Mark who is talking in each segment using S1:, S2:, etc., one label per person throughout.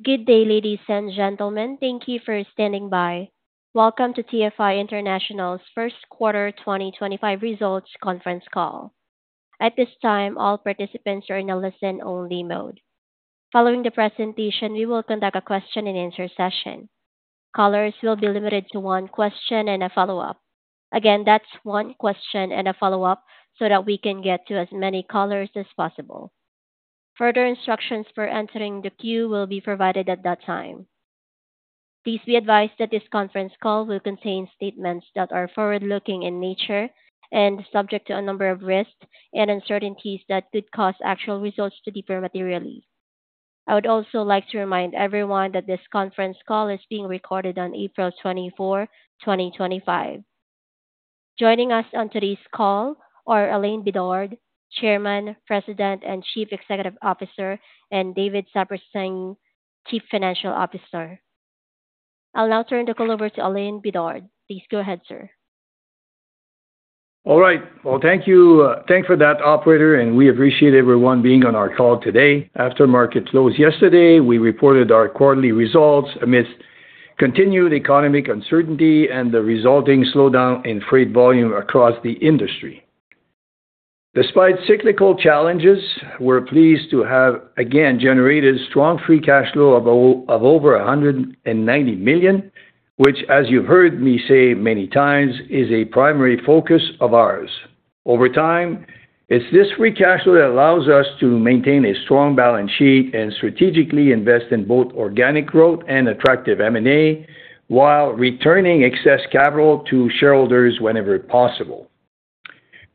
S1: Good day, ladies and gentlemen. Thank you for standing by. Welcome to TFI International's First Quarter 2025 results conference call. At this time, all participants are in a listen-only mode. Following the presentation, we will conduct a question-and-answer session. Callers will be limited to one question and a follow-up. Again, that's one question and a follow-up so that we can get to as many callers as possible. Further instructions for entering the queue will be provided at that time. Please be advised that this conference call will contain statements that are forward-looking in nature and subject to a number of risks and uncertainties that could cause actual results to differ materially. I would also like to remind everyone that this conference call is being recorded on April 24, 2025. Joining us on today's call are Alain Bédard, Chairman, President, and Chief Executive Officer, and David Saperstein, Chief Financial Officer. I'll now turn the call over to Alain Bédard. Please go ahead, sir.
S2: All right. Thank you. Thanks for that, Operator, and we appreciate everyone being on our call today. After market close yesterday, we reported our quarterly results amidst continued economic uncertainty and the resulting slowdown in freight volume across the industry. Despite cyclical challenges, we're pleased to have again generated strong free cash flow of over $190 million, which, as you've heard me say many times, is a primary focus of ours. Over time, it's this free cash flow that allows us to maintain a strong balance sheet and strategically invest in both organic growth and attractive M&A while returning excess capital to shareholders whenever possible.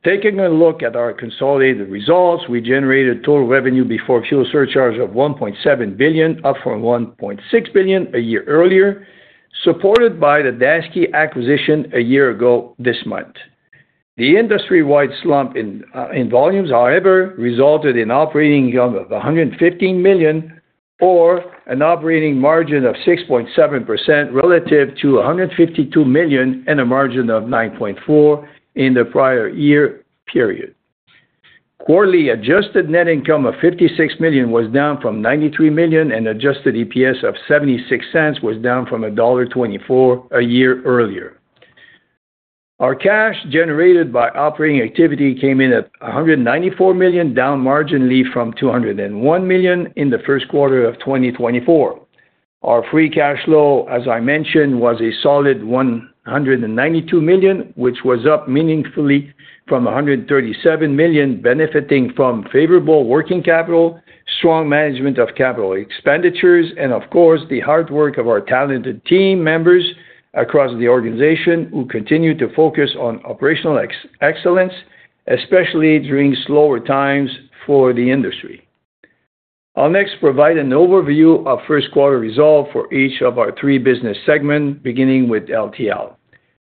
S2: Taking a look at our consolidated results, we generated total revenue before fuel surcharge of $1.7 billion, up from $1.6 billion a year earlier, supported by the Daseke acquisition a year ago this month. The industry-wide slump in volumes, however, resulted in operating income of $115 million or an operating margin of 6.7% relative to $152 million and a margin of 9.4% in the prior year period. Quarterly adjusted net income of $56 million was down from $93 million, and adjusted EPS of $0.76 was down from $1.24 a year earlier. Our cash generated by operating activity came in at $194 million, down marginally from $201 million in the first quarter of 2024. Our free cash flow, as I mentioned, was a solid $192 million, which was up meaningfully from $137 million, benefiting from favorable working capital, strong management of capital expenditures, and, of course, the hard work of our talented team members across the organization who continue to focus on operational excellence, especially during slower times for the industry. I'll next provide an overview of first-quarter results for each of our three business segments, beginning with LTL.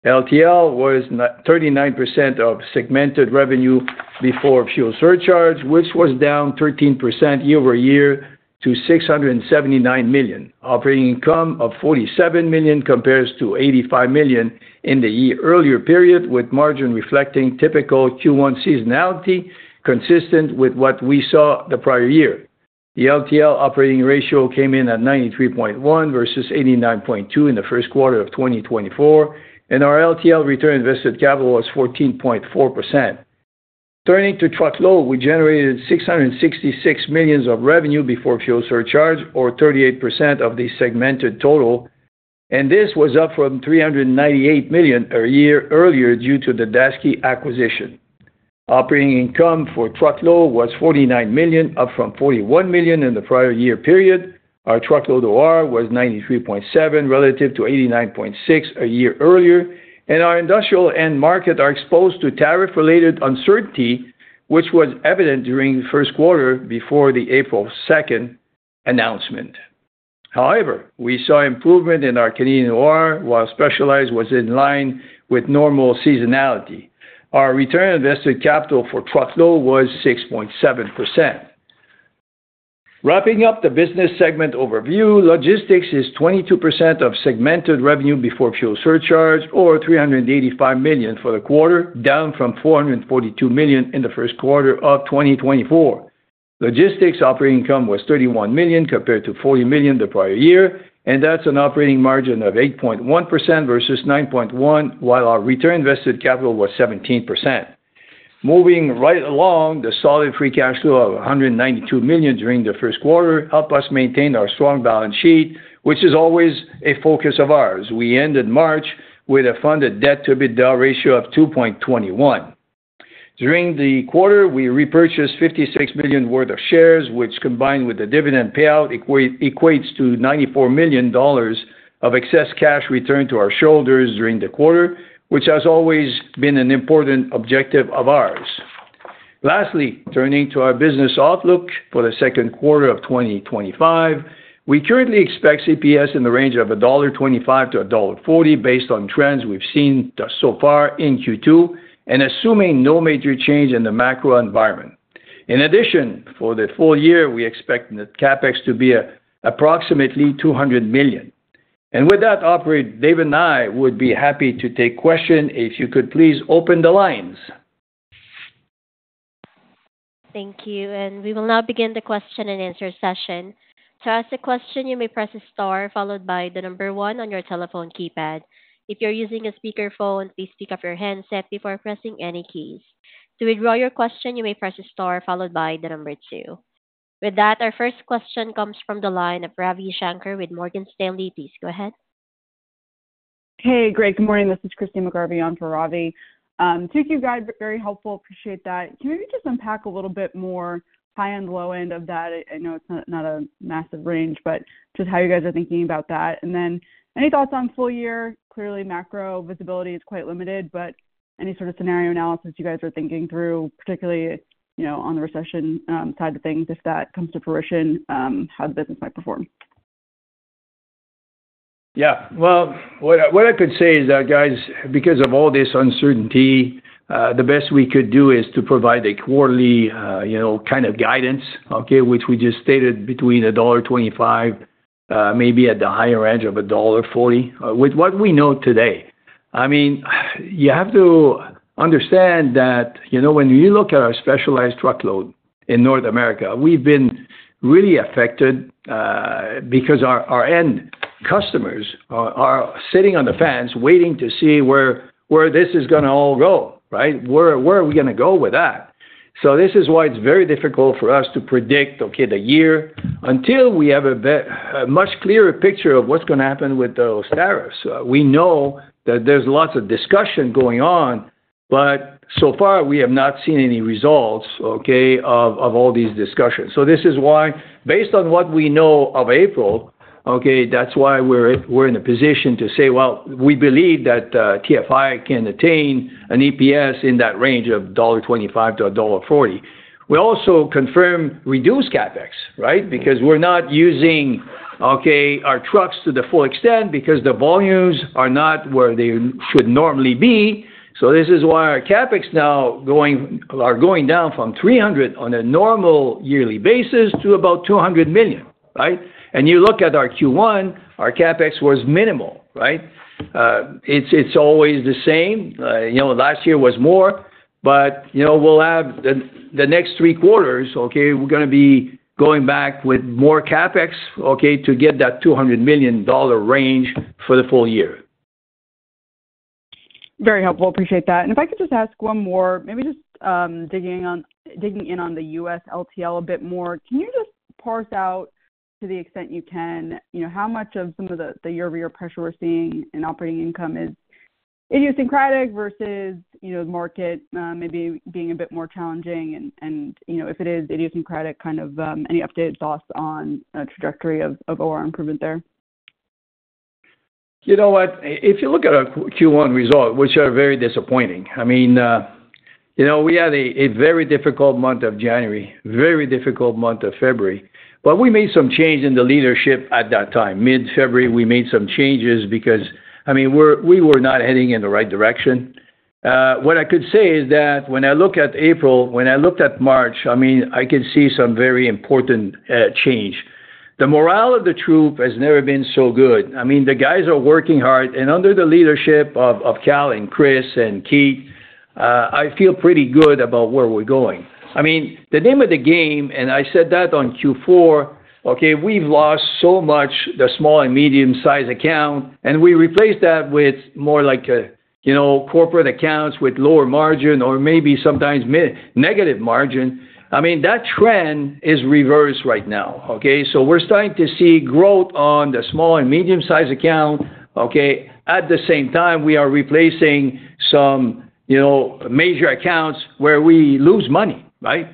S2: LTL was 39% of segmented revenue before fuel surcharge, which was down 13% year-over-year to $679 million. Operating income of $47 million compares to $85 million in the year-earlier period, with margin reflecting typical Q1 seasonality consistent with what we saw the prior year. The LTL operating ratio came in at 93.1% versus 89.2% in the first quarter of 2024, and our LTL return on invested capital was 14.4%. Turning to truckload, we generated $666 million of revenue before fuel surcharge, or 38% of the segmented total, and this was up from $398 million a year-earlier due to the Daseke acquisition. Operating income for truckload was $49 million, up from $41 million in the prior year period. Our truckload OR was 93.7 relative to 89.6 a year earlier, and our industrial end markets are exposed to tariff-related uncertainty, which was evident during the first quarter before the April 2nd announcement. However, we saw improvement in our Canadian OR, while specialized was in line with normal seasonality. Our return on invested capital for truckload was 6.7%. Wrapping up the business segment overview, logistics is 22% of segmented revenue before fuel surcharge, or $385 million for the quarter, down from $442 million in the first quarter of 2024. Logistics operating income was $31 million compared to $40 million the prior year, and that's an operating margin of 8.1% versus 9.1%, while our return on invested capital was 17%. Moving right along, the solid free cash flow of $192 million during the first quarter helped us maintain our strong balance sheet, which is always a focus of ours. We ended March with a funded debt-to-EBITDA ratio of 2.21. During the quarter, we repurchased $56 million worth of shares, which, combined with the dividend payout, equates to $94 million of excess cash returned to our shareholders during the quarter, which has always been an important objective of ours. Lastly, turning to our business outlook for the second quarter of 2025, we currently expect EPS in the range of $1.25-$1.40 based on trends we've seen so far in Q2 and assuming no major change in the macro environment. In addition, for the full year, we expect the CapEx to be approximately $200 million. With that, Operator, David, and I would be happy to take questions. If you could please open the lines.
S1: Thank you. We will now begin the question-and-answer session. To ask a question, you may press the star followed by the number one on your telephone keypad. If you're using a speakerphone, please pick up your handset before pressing any keys. To withdraw your question, you may press the star followed by the number two. With that, our first question comes from the line of Ravi Shankar with Morgan Stanley. Please go ahead.
S3: Hey, great. Good morning. This is Christina McGarvey on for Ravi. Thank you, guys. Very helpful. Appreciate that. Can we just unpack a little bit more high-end, low-end of that? I know it's not a massive range, but just how you guys are thinking about that. Any thoughts on full year? Clearly, macro visibility is quite limited, but any sort of scenario analysis you guys are thinking through, particularly on the recession side of things, if that comes to fruition, how the business might perform?
S2: Yeah. What I could say is that, guys, because of all this uncertainty, the best we could do is to provide a quarterly kind of guidance, which we just stated between $1.25-$1.40, with what we know today. I mean, you have to understand that when you look at our specialized truckload in North America, we've been really affected because our end customers are sitting on the fence waiting to see where this is going to all go, right? Where are we going to go with that? This is why it's very difficult for us to predict the year until we have a much clearer picture of what's going to happen with those tariffs. We know that there's lots of discussion going on, but so far, we have not seen any results of all these discussions. This is why, based on what we know of April, that's why we're in a position to say, well, we believe that TFI can attain an EPS in that range of $1.25-$1.40. We also confirm reduced CapEx, right? Because we're not using our trucks to the full extent because the volumes are not where they should normally be. This is why our CapEx now are going down from $300 million on a normal yearly basis to about $200 million, right? You look at our Q1, our CapEx was minimal, right? It's always the same. Last year was more, but we'll have the next three quarters, we're going to be going back with more CapEx to get that $200 million range for the full year.
S3: Very helpful. Appreciate that. If I could just ask one more, maybe just digging in on the U.S. LTL a bit more, can you just parse out, to the extent you can, how much of some of the year-over-year pressure we're seeing in operating income is idiosyncratic versus the market maybe being a bit more challenging? If it is idiosyncratic, kind of any updated thoughts on the trajectory of OR improvement there?
S2: You know what? If you look at our Q1 results, which are very disappointing, I mean, we had a very difficult month of January, a very difficult month of February, but we made some change in the leadership at that time. Mid-February, we made some changes because, I mean, we were not heading in the right direction. What I could say is that when I look at April, when I looked at March, I mean, I could see some very important change. The morale of the troop has never been so good. I mean, the guys are working hard, and under the leadership of Cal and Chris and Keith, I feel pretty good about where we're going. I mean, the name of the game, and I said that on Q4, we've lost so much the small and medium-sized account, and we replaced that with more like corporate accounts with lower margin or maybe sometimes negative margin. I mean, that trend is reversed right now. So we're starting to see growth on the small and medium-sized account. At the same time, we are replacing some major accounts where we lose money, right?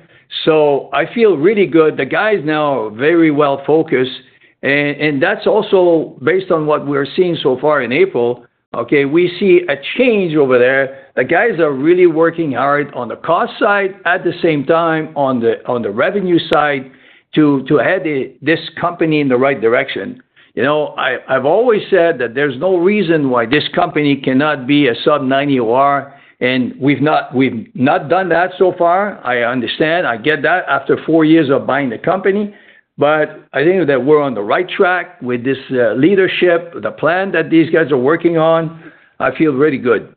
S2: I feel really good. The guys now are very well focused, and that's also based on what we're seeing so far in April. We see a change over there. The guys are really working hard on the cost side, at the same time on the revenue side to head this company in the right direction. I've always said that there's no reason why this company cannot be a sub-90 OR, and we've not done that so far. I understand. I get that after four years of buying the company, but I think that we're on the right track with this leadership, the plan that these guys are working on. I feel really good.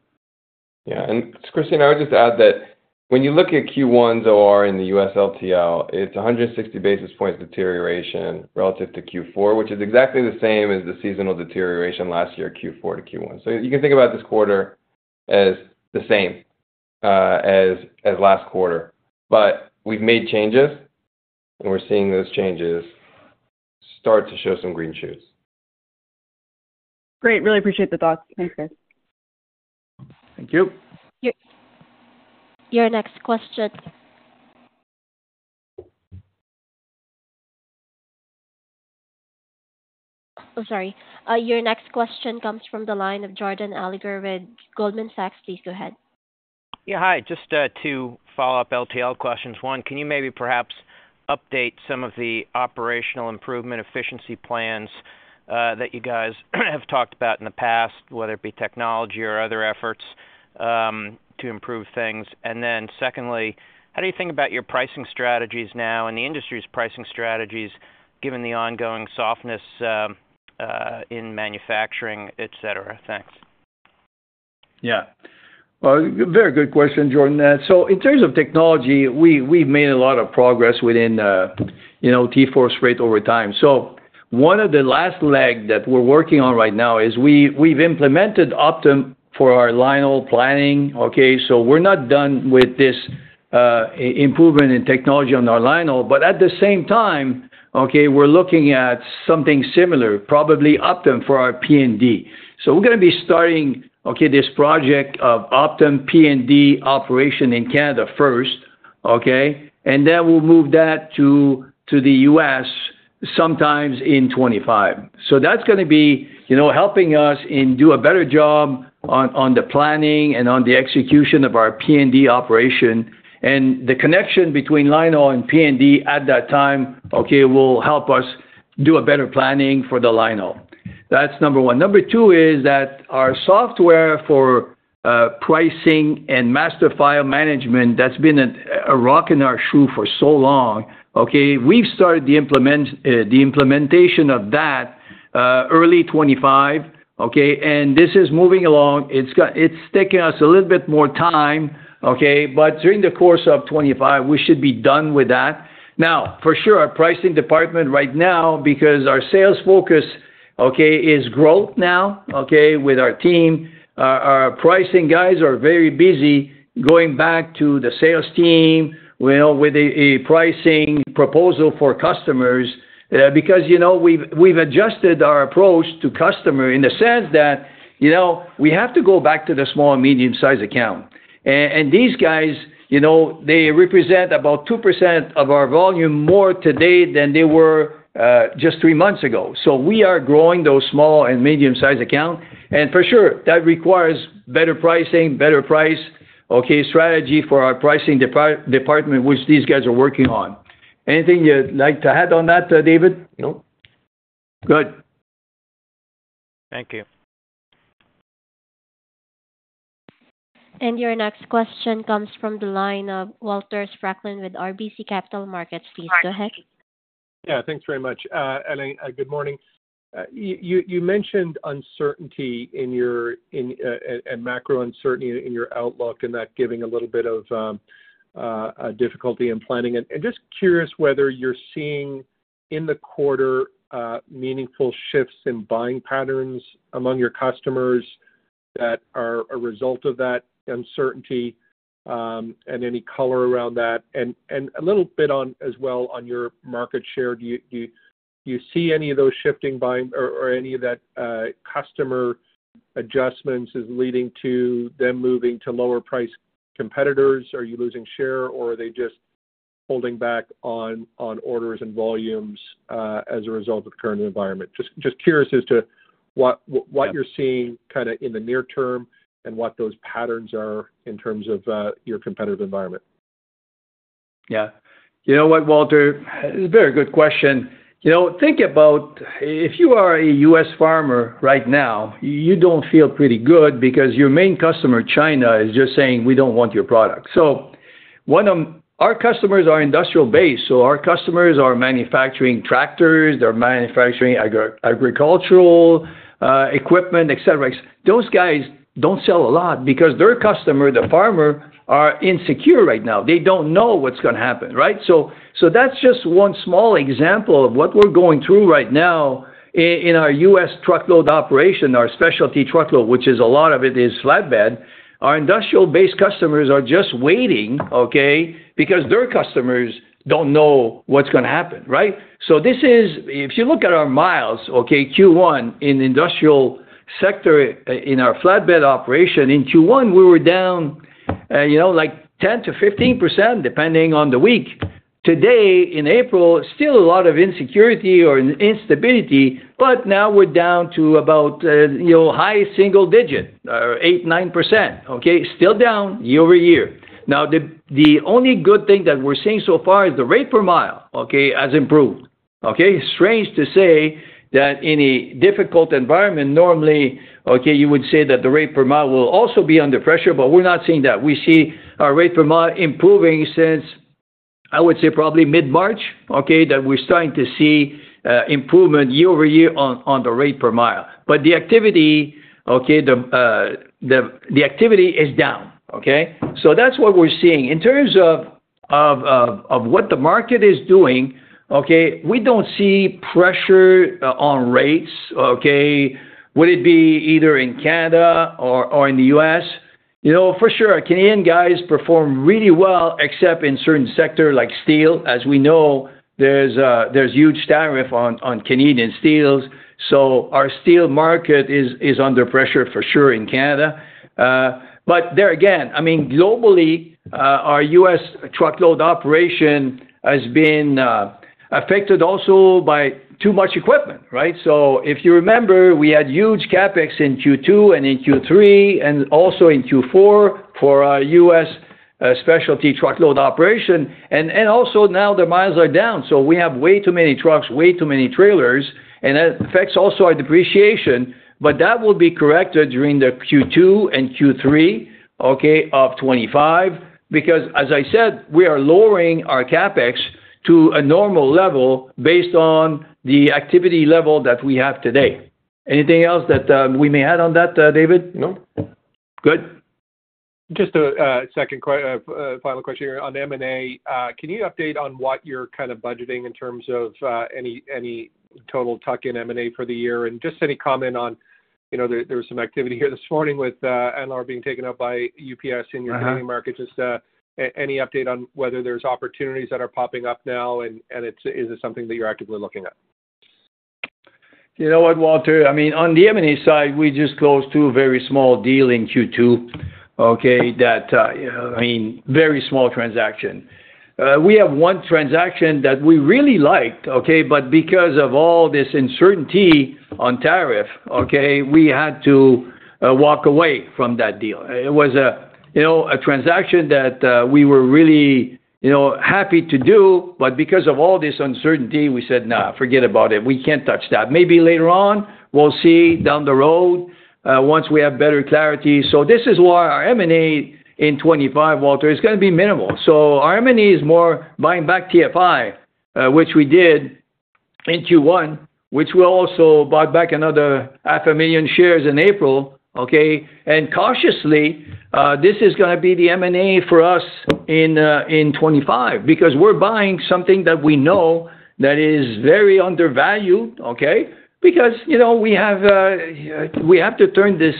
S4: Yeah. Christyne, I would just add that when you look at Q1's OR in the U.S. LTL, it's 160 basis points deterioration relative to Q4, which is exactly the same as the seasonal deterioration last year, Q4 to Q1. You can think about this quarter as the same as last quarter, but we've made changes, and we're seeing those changes start to show some green shoots.
S3: Great. Really appreciate the thoughts. Thanks, guys.
S2: Thank you.
S1: Your next question. Oh, sorry. Your next question comes from the line of Jordan Alliger with Goldman Sachs. Please go ahead.
S5: Yeah. Hi. Just two follow-up LTL questions. One, can you maybe perhaps update some of the operational improvement efficiency plans that you guys have talked about in the past, whether it be technology or other efforts to improve things? Then secondly, how do you think about your pricing strategies now and the industry's pricing strategies given the ongoing softness in manufacturing, etc.? Thanks.
S2: Yeah. Very good question, Jordan, that. In terms of technology, we've made a lot of progress within TForce Freight over time. One of the last legs that we're working on right now is we've implemented Optum for our line-haul planning. We're not done with this improvement in technology on our line-haul, but at the same time, we're looking at something similar, probably Optum for our P&D. We're going to be starting this project of Optum P&D operation in Canada first, and then we'll move that to the U.S. sometime in 2025. That's going to be helping us in doing a better job on the planning and on the execution of our P&D operation. The connection between line-haul and P&D at that time will help us do better planning for the line-haul. That's number one. Number two is that our software for pricing and master file management that's been a rock in our shoe for so long. We've started the implementation of that early 2025, and this is moving along. It's taken us a little bit more time, but during the course of 2025, we should be done with that. Now, for sure, our pricing department right now, because our sales focus is growth now with our team. Our pricing guys are very busy going back to the sales team with a pricing proposal for customers because we've adjusted our approach to customer in the sense that we have to go back to the small and medium-sized account. And these guys, they represent about 2% of our volume more today than they were just three months ago. So we are growing those small and medium-sized accounts. For sure, that requires better pricing, better price strategy for our pricing department, which these guys are working on. Anything you'd like to add on that, David?
S4: No.
S2: Good.
S5: Thank you.
S1: Your next question comes from the line of Walter Spracklin with RBC Capital Markets. Please go ahead.
S6: Yeah. Thanks very much. Good morning. You mentioned uncertainty and macro uncertainty in your outlook and that giving a little bit of difficulty in planning. Just curious whether you're seeing in the quarter meaningful shifts in buying patterns among your customers that are a result of that uncertainty, and any color around that? A little bit as well on your market share. Do you see any of those shifting buying or any of that customer adjustments is leading to them moving to lower-priced competitors? Are you losing share, or are they just holding back on orders and volumes as a result of the current environment? Just curious as to what you're seeing kind of in the near term and what those patterns are in terms of your competitive environment.
S2: Yeah. You know what, Walter? It's a very good question. Think about if you are a U.S. farmer right now, you don't feel pretty good because your main customer, China, is just saying, "We don't want your product." Our customers are industrial-based. Our customers are manufacturing tractors. They're manufacturing agricultural equipment, etc. Those guys don't sell a lot because their customer, the farmer, are insecure right now. They don't know what's going to happen, right? That's just one small example of what we're going through right now in our U.S. truckload operation, our specialty truckload, which a lot of it is flatbed. Our industrial-based customers are just waiting because their customers don't know what's going to happen, right? If you look at our miles, Q1 in the industrial sector in our flatbed operation, in Q1, we were down like 10%-15%, depending on the week. Today, in April, still a lot of insecurity or instability, but now we're down to about high single digit, 8%-9%. Still down year-over-year. The only good thing that we're seeing so far is the rate per mile has improved. Strange to say that in a difficult environment, normally, you would say that the rate per mile will also be under pressure, but we're not seeing that. We see our rate per mile improving since, I would say, probably mid-March that we're starting to see improvement year-over-year on the rate per mile. The activity is down. That's what we're seeing. In terms of what the market is doing, we do not see pressure on rates. Would it be either in Canada or in the U.S.? For sure, our Canadian guys perform really well, except in certain sectors like steel. As we know, there are huge tariffs on Canadian steel. Our steel market is under pressure, for sure, in Canada. I mean, globally, our U.S. truckload operation has been affected also by too much equipment, right? If you remember, we had huge CapEx in Q2, and in Q3, and also in Q4 for our U.S. specialty truckload operation. Also, now the miles are down. We have way too many trucks, way too many trailers, and that affects also our depreciation. That will be corrected during Q2 and Q3 of 2025 because, as I said, we are lowering our CapEx to a normal level based on the activity level that we have today. Anything else that we may add on that, David?
S4: No.
S2: Good.
S6: Just a second final question here on M&A. Can you update on what you're kind of budgeting in terms of any total tuck-in M&A for the year? Just any comment on there was some activity here this morning with LRP being taken up by UPS in your Canadian market. Just any update on whether there's opportunities that are popping up now, and is it something that you're actively looking at?
S2: You know what, Walter? I mean, on the M&A side, we just closed two very small deals in Q2. I mean, very small transaction. We have one transaction that we really liked, but because of all this uncertainty on tariff, we had to walk away from that deal. It was a transaction that we were really happy to do, but because of all this uncertainty, we said, "Nah, forget about it. We can't touch that." Maybe later on, we'll see down the road once we have better clarity. This is why our M&A in 2025, Walter, is going to be minimal. Our M&A is more buying back TFI, which we did in Q1, which we also bought back another 500,000 shares in April. Cautiously, this is going to be the M&A for us in 2025 because we're buying something that we know that is very undervalued, because we have to turn this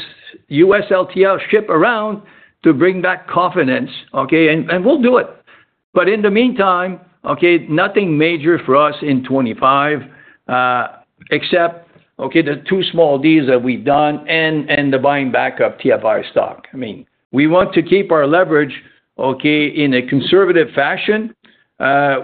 S2: U.S. LTL ship around to bring back confidence, and we'll do it. In the meantime, nothing major for us in 2025 except the two small deals that we've done and the buying back of TFI stock. I mean, we want to keep our leverage in a conservative fashion.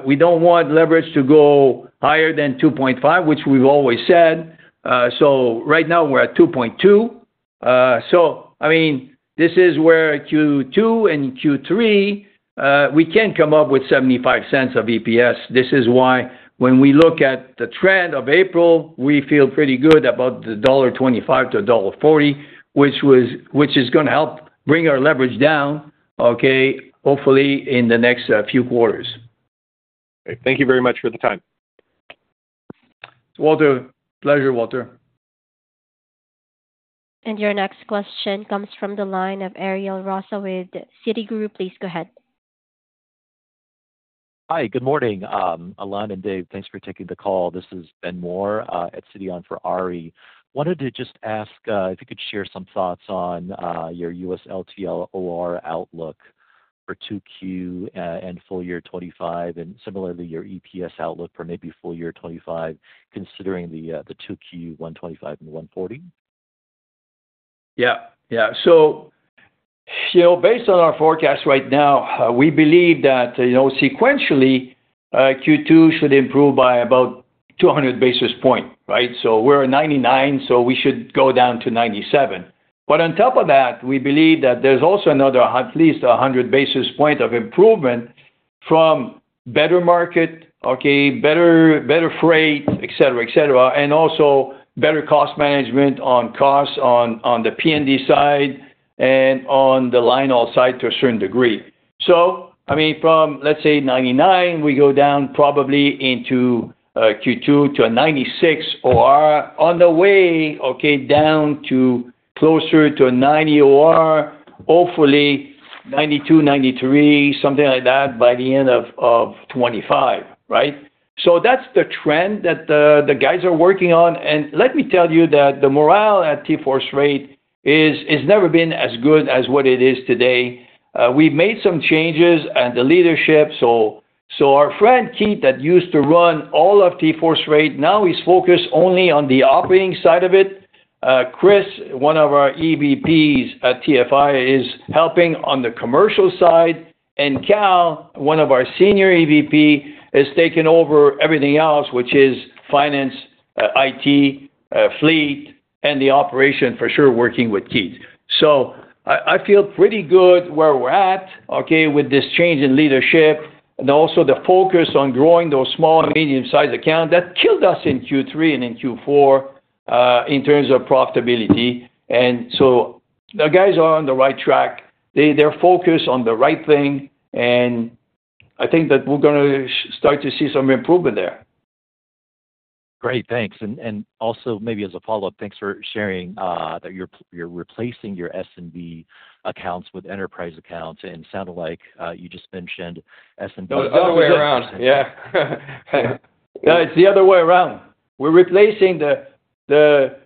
S2: We don't want leverage to go higher than 2.5, which we've always said. Right now, we're at 2.2. I mean, this is where Q2 and Q3, we can come up with $0.75 of EPS. This is why when we look at the trend of April, we feel pretty good about the $1.25-$1.40, which is going to help bring our leverage down, hopefully, in the next few quarters.
S6: Thank you very much for the time.
S2: Walter, pleasure, Walter.
S1: Your next question comes from the line of Ari Rosa with Citigroup. Please go ahead.
S7: Hi. Good morning, Alain and Dave. Thanks for taking the call. This is Ben Mohr at Citigroup for Ari. Wanted to just ask if you could share some thoughts on your U.S. LTL OR outlook for Q2 and full year 2025, and similarly, your EPS outlook for maybe full year 2025, considering the Q2, Q1, Q2 guidance, and Q1, Q4 guidance.
S2: Yeah. Yeah. Based on our forecast right now, we believe that sequentially, Q2 should improve by about 200 basis points. We are at 99, so we should go down to 97. On top of that, we believe that there is also another at least 100 basis points of improvement from better market, better freight, etc., etc., and also better cost management on costs on the P&D side and on the line-haul side to a certain degree. I mean, from, let's say, 99, we go down probably into Q2 to a 96 OR on the way down to closer to a 90 OR, hopefully 92, 93, something like that by the end of 2025. That is the trend that the guys are working on. Let me tell you that the morale at TForce Freight has never been as good as what it is today. We've made some changes in the leadership. Our friend Keith, that used to run all of TForce Freight, now he's focused only on the operating side of it. Chris, one of our EVPs at TFI, is helping on the commercial side. Cal, one of our Senior EVPs, has taken over everything else, which is finance, IT, fleet, and the operation, for sure, working with Keith. I feel pretty good where we're at with this change in leadership and also the focus on growing those small and medium-sized accounts that killed us in Q3 and in Q4 in terms of profitability. The guys are on the right track. They're focused on the right thing, and I think that we're going to start to see some improvement there.
S7: Great. Thanks. Also, maybe as a follow-up, thanks for sharing that you're replacing your SMB accounts with enterprise accounts. It sounded like you just mentioned SMB.
S2: The other way around. Yeah. It's the other way around. We're replacing the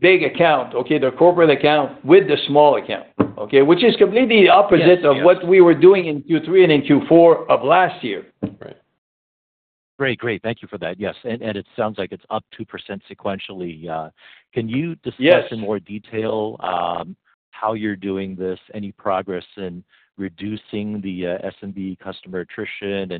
S2: big account, the corporate account, with the small account, which is completely the opposite of what we were doing in Q3 and in Q4 of last year.
S7: Right. Great. Great. Thank you for that. Yes. It sounds like it's up 2% sequentially. Can you discuss in more detail how you're doing this? Any progress in reducing the SMB customer attrition?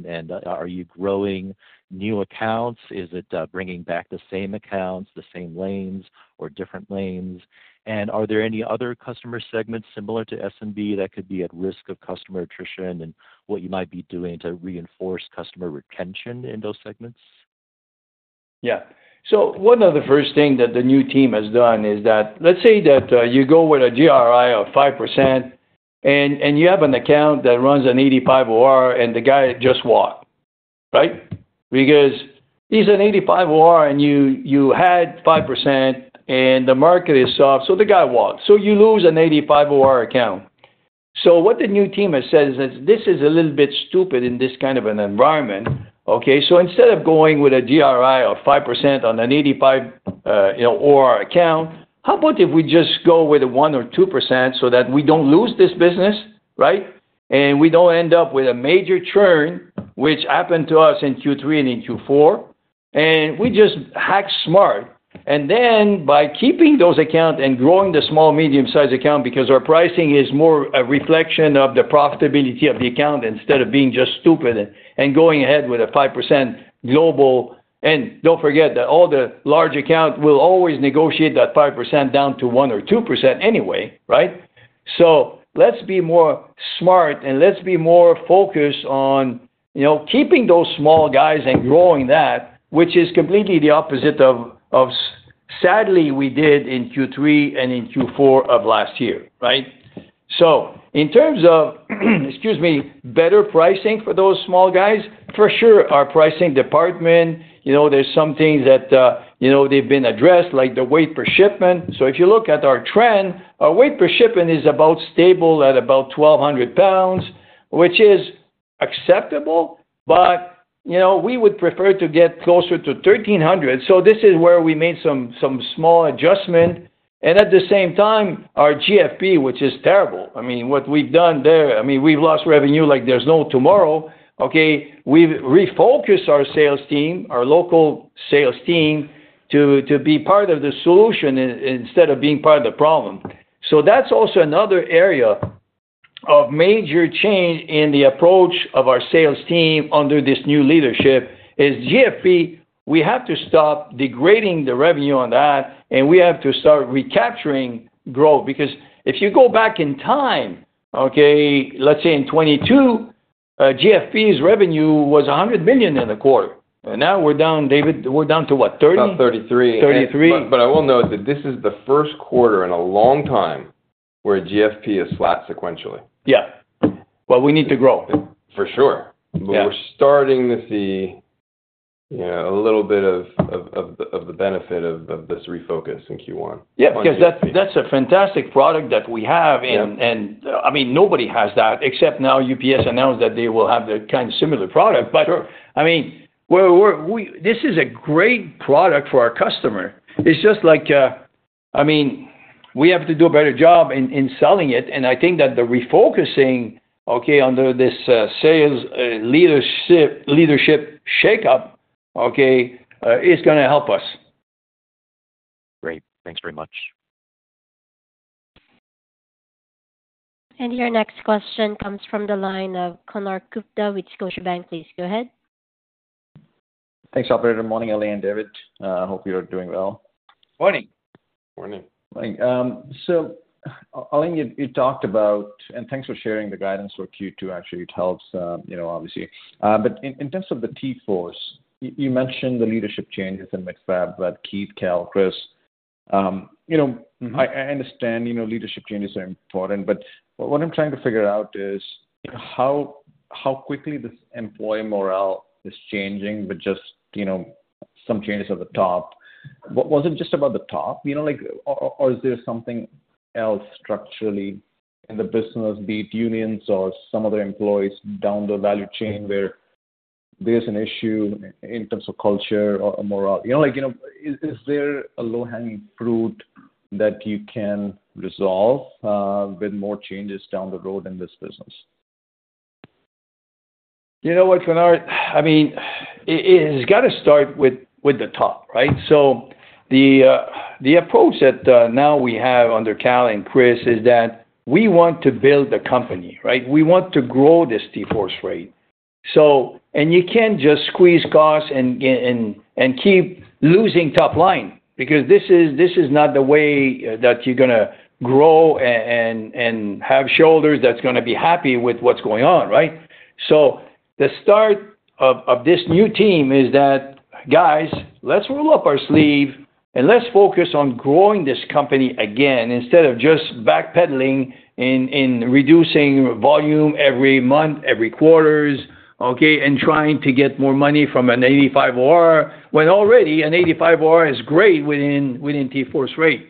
S7: Are you growing new accounts? Is it bringing back the same accounts, the same lanes, or different lanes? Are there any other customer segments similar to SMB that could be at risk of customer attrition, and what you might be doing to reinforce customer retention in those segments?
S2: Yeah. One of the first things that the new team has done is that let's say that you go with a GRI of 5% and you have an account that runs an 85 OR, and the guy just walked, right? Because he's an 85 OR, and you had 5%, and the market is soft, so the guy walked. You lose an 85 OR account. What the new team has said is that this is a little bit stupid in this kind of an environment. Instead of going with a GRI of 5% on an 85 OR account, how about if we just go with a 1% or 2% so that we don't lose this business, right? We don't end up with a major churn, which happened to us in Q3 and in Q4. We just hack smart. By keeping those accounts and growing the small, medium-sized account because our pricing is more a reflection of the profitability of the account instead of being just stupid and going ahead with a 5% global. Do not forget that all the large accounts will always negotiate that 5% down to 1% or 2% anyway, right? Let's be more smart, and let's be more focused on keeping those small guys and growing that, which is completely the opposite of sadly, we did in Q3 and in Q4 of last year, right? In terms of, excuse me, better pricing for those small guys, for sure, our pricing department, there are some things that have been addressed, like the weight per shipment. If you look at our trend, our weight per shipment is about stable at about 1,200 lbs, which is acceptable, but we would prefer to get closer to 1,300 lbs. This is where we made some small adjustment. At the same time, our GFP, which is terrible. I mean, what we've done there, I mean, we've lost revenue like there's no tomorrow. We've refocused our sales team, our local sales team, to be part of the solution instead of being part of the problem. That's also another area of major change in the approach of our sales team under this new leadership is GFP. We have to stop degrading the revenue on that, and we have to start recapturing growth. Because if you go back in time, let's say in 2022, GFP's revenue was $100 million in the quarter. We're down, David, we're down to what, 30?
S4: About 33.
S2: 33.
S4: I will note that this is the first quarter in a long time where GFP has flat sequentially.
S2: Yeah. We need to grow.
S4: For sure. We are starting to see a little bit of the benefit of this refocus in Q1.
S2: Yeah. Because that's a fantastic product that we have. I mean, nobody has that except now UPS announced that they will have the kind of similar product. I mean, this is a great product for our customer. It's just like, I mean, we have to do a better job in selling it. I think that the refocusing under this sales leadership shakeup is going to help us.
S7: Great. Thanks very much.
S1: Your next question comes from the line of Konark Gupta with Scotiabank. Please go ahead.
S8: Thanks, Operator. Good morning, Alain and David. I hope you're doing well.
S2: Morning.
S4: Morning.
S8: Morning. Alain, you talked about, and thanks for sharing the guidance for Q2. Actually, it helps, obviously. In terms of the TForce, you mentioned the leadership changes in midstab with Keith, Cal, Chris. I understand leadership changes are important, but what I'm trying to figure out is how quickly this employee morale is changing with just some changes at the top. Was it just about the top? Is there something else structurally in the business, be it unions or some other employees down the value chain, where there's an issue in terms of culture or morale? Is there a low-hanging fruit that you can resolve with more changes down the road in this business?
S2: You know what, Konark? I mean, it's got to start with the top, right? The approach that now we have under Cal and Chris is that we want to build the company, right? We want to grow this TForce Freight. You can't just squeeze costs and keep losing top line because this is not the way that you're going to grow and have shareholders that's going to be happy with what's going on, right? The start of this new team is that, guys, let's roll up our sleeves and let's focus on growing this company again instead of just backpedaling in reducing volume every month, every quarter, and trying to get more money from an 85 OR when already an 85 OR is great within TForce Freight.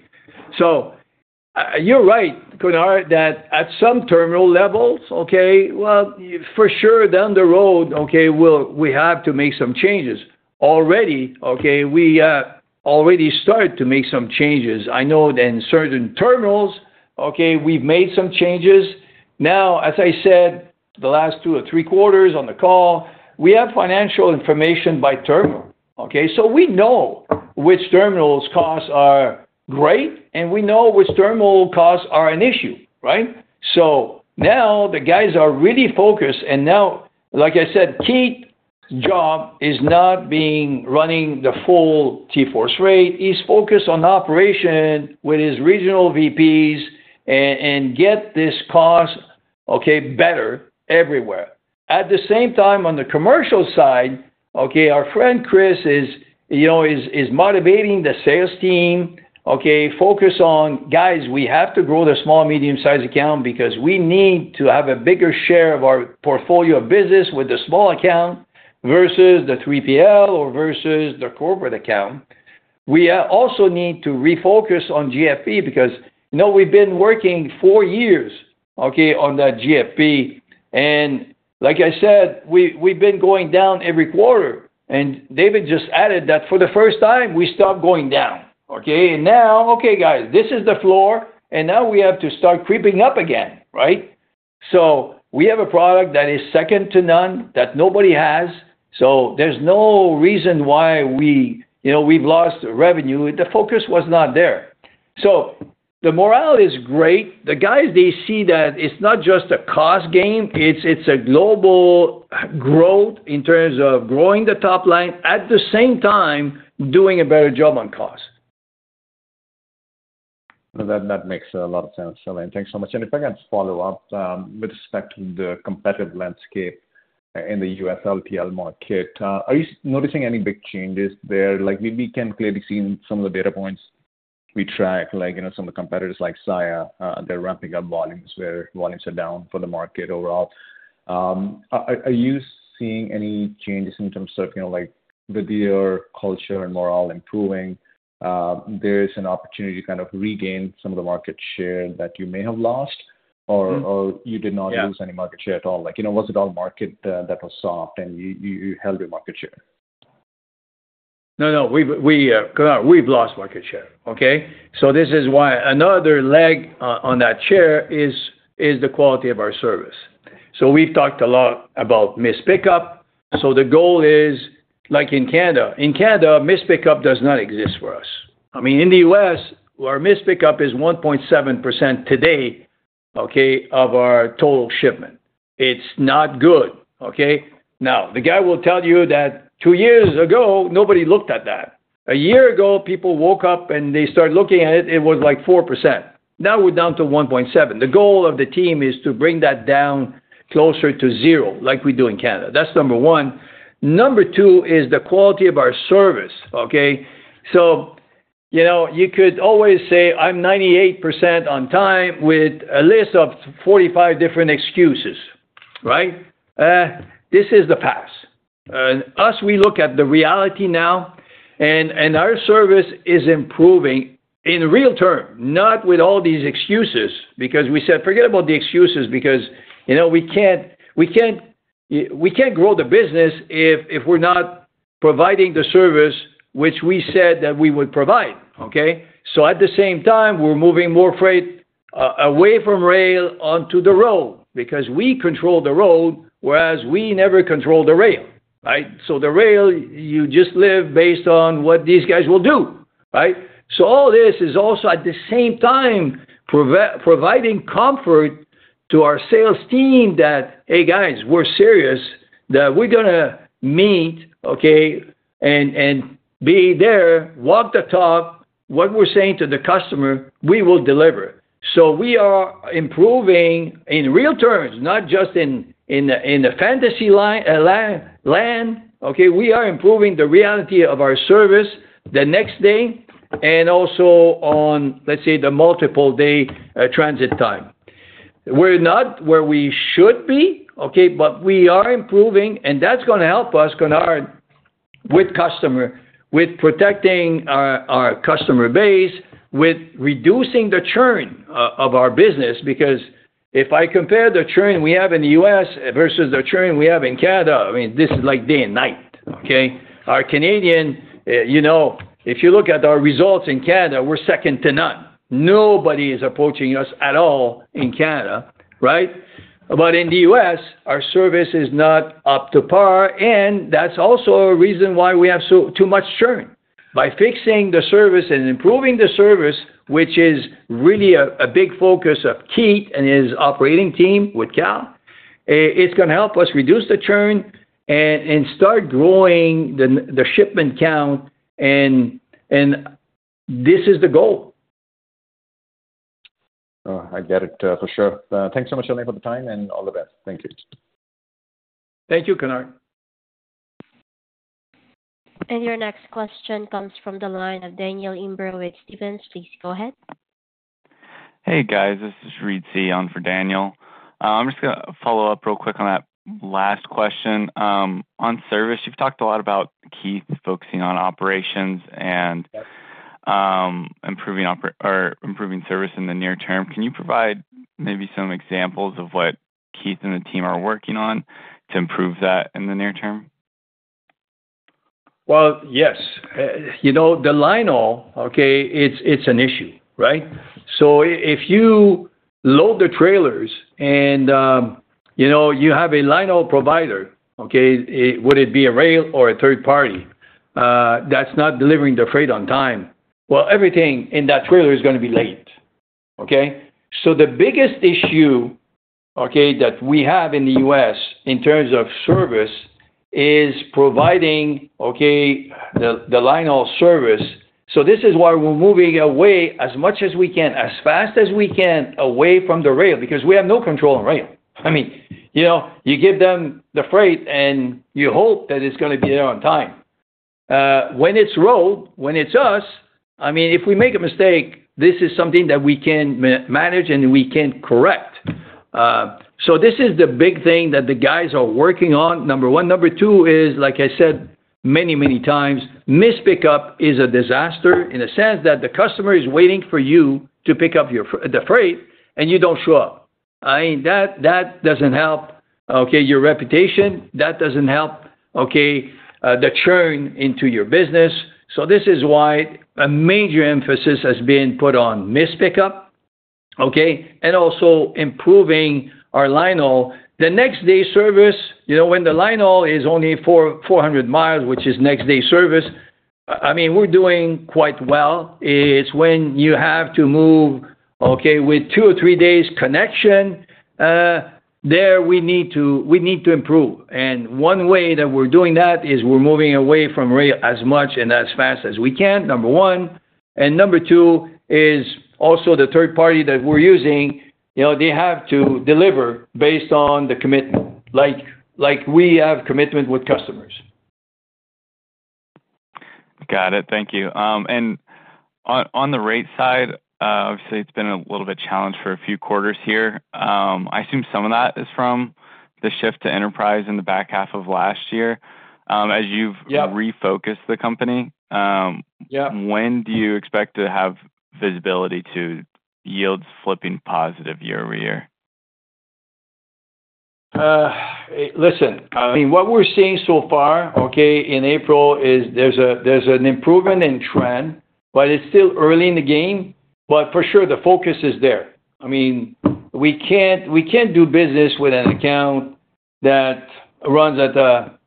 S2: You're right, Konark, that at some terminal levels, for sure, down the road, we have to make some changes. Already, we already started to make some changes. I know that in certain terminals, we've made some changes. As I said, the last two or three quarters on the call, we have financial information by terminal. We know which terminal's costs are great, and we know which terminal costs are an issue, right? Now the guys are really focused. Like I said, Keith's job is not running the full TForce Freight. He's focused on operation with his regional VPs and getting this cost better everywhere. At the same time, on the commercial side, our friend Chris is motivating the sales team, focus on, guys, we have to grow the small, medium-sized account because we need to have a bigger share of our portfolio of business with the small account versus the 3PL or versus the corporate account. We also need to refocus on GFP because we've been working four years on that GFP. Like I said, we've been going down every quarter. David just added that for the first time, we stopped going down. Now, okay, guys, this is the floor, and now we have to start creeping up again, right? We have a product that is second to none, that nobody has. There's no reason why we've lost revenue. The focus was not there. The morale is great. The guys they see that it's not just a cost game. It's a global growth in terms of growing the top line, at the same time doing a better job on cost.
S8: That makes a lot of sense, Alain. Thanks so much. If I can follow up with respect to the competitive landscape in the U.S. LTL market, are you noticing any big changes there? We can clearly see in some of the data points we track, some of the competitors, like SAIA, they're ramping up volumes where volumes are down for the market overall. Are you seeing any changes in terms of with your culture and morale improving? There is an opportunity to kind of regain some of the market share that you may have lost, or you did not lose any market share at all? Was it all market that was soft, and you held your market share?
S2: No, no. Konark, we've lost market share. This is why another leg on that chair is the quality of our service. We've talked a lot about missed pickup. The goal is like in Canada. In Canada, missed pickup does not exist for us. I mean, in the U.S., our missed pickup is 1.7% today of our total shipment. It's not good. Now, the guy will tell you that two years ago, nobody looked at that. A year ago, people woke up, and they started looking at it, it was like 4%. Now we're down to 1.7%. The goal of the team is to bring that down closer to zero, like we do in Canada. That's number one. Number two is the quality of our service. You could always say, "I'm 98% on time with a list of 45 different excuses," right? This is the past. We look at the reality now, and our service is improving in real term, not with all these excuses because we said, "Forget about the excuses because we can't grow the business if we're not providing the service which we said that we would provide." At the same time, we're moving more freight away from rail onto the road because we control the road, whereas we never control the rail, right? The rail, you just live based on what these guys will do, right? All this is also at the same time providing comfort to our sales team that, "Hey guys, we're serious, that we're going to meet and be there, walk the talk, what we're saying to the customer, we will deliver." We are improving in real terms, not just in the fantasy land. We are improving the reality of our service the next day and also on, let's say, the multiple-day transit time. We're not where we should be, but we are improving, and that's going to help us, Konark, with customer, with protecting our customer base, with reducing the churn of our business. Because if I compare the churn we have in the U.S. versus the churn we have in Canada, I mean, this is like day and night. Our Canadian, if you look at our results in Canada, we're second to none. Nobody is approaching us at all in Canada, right? In the U.S., our service is not up to par, and that's also a reason why we have too much churn. By fixing the service and improving the service, which is really a big focus of Keith and his operating team with Cal, it's going to help us reduce the churn and start growing the shipment count. This is the goal.
S8: I get it for sure. Thanks so much, Alain, for the time and all the best. Thank you.
S2: Thank you, Konark.
S1: Your next question comes from the line of Daniel Imbro with Stephens. Please go ahead.
S9: Hey, guys. This is Reed Seay for Daniel. I'm just going to follow up real quick on that last question. On service, you've talked a lot about Keith, focusing on operations and improving service in the near term. Can you provide, maybe, some examples of what Keith and the team are working on to improve that in the near term?
S2: The line-haul, it's an issue, right? If you load the trailers and you have a line-haul provider, would it be a rail or a third party that's not delivering the freight on time? Everything in that trailer is going to be late. The biggest issue that we have in the U.S. in terms of service is providing the line-haul service. This is why we're moving away as much as we can, as fast as we can, away from the rail because we have no control on rail. I mean, you give them the freight, and you hope that it's going to be there on time. When it's road, when it's us, I mean, if we make a mistake, this is something that we can manage and we can correct. This is the big thing that the guys are working on, number one. Number two is, like I said many, many times, missed pickup is a disaster in the sense that the customer is waiting for you to pick up the freight and you don't show up. I mean, that doesn't help your reputation. That doesn't help the churn into your business. This is why a major emphasis has been put on missed pickup and also improving our line-haul. The next-day service, when the line-haul is only 400 mi, which is next-day service, I mean, we're doing quite well. It's when you have to move with two or three days connection. There we need to improve. One way that we're doing that is we're moving away from rail as much and as fast as we can, number one. Number two is also the third party that we're using, they have to deliver based on the commitment like we have commitment with customers.
S9: Got it. Thank you. On the rate side, obviously, it's been a little bit challenged for a few quarters here. I assume some of that is from the shift to enterprise in the back half of last year, as you've refocused the company. When do you expect to have visibility to yields flipping positive year-over-year?
S2: Listen, I mean, what we're seeing so far in April is there's an improvement in trend, but it's still early in the game. For sure, the focus is there. I mean, we can't do business with an account that runs at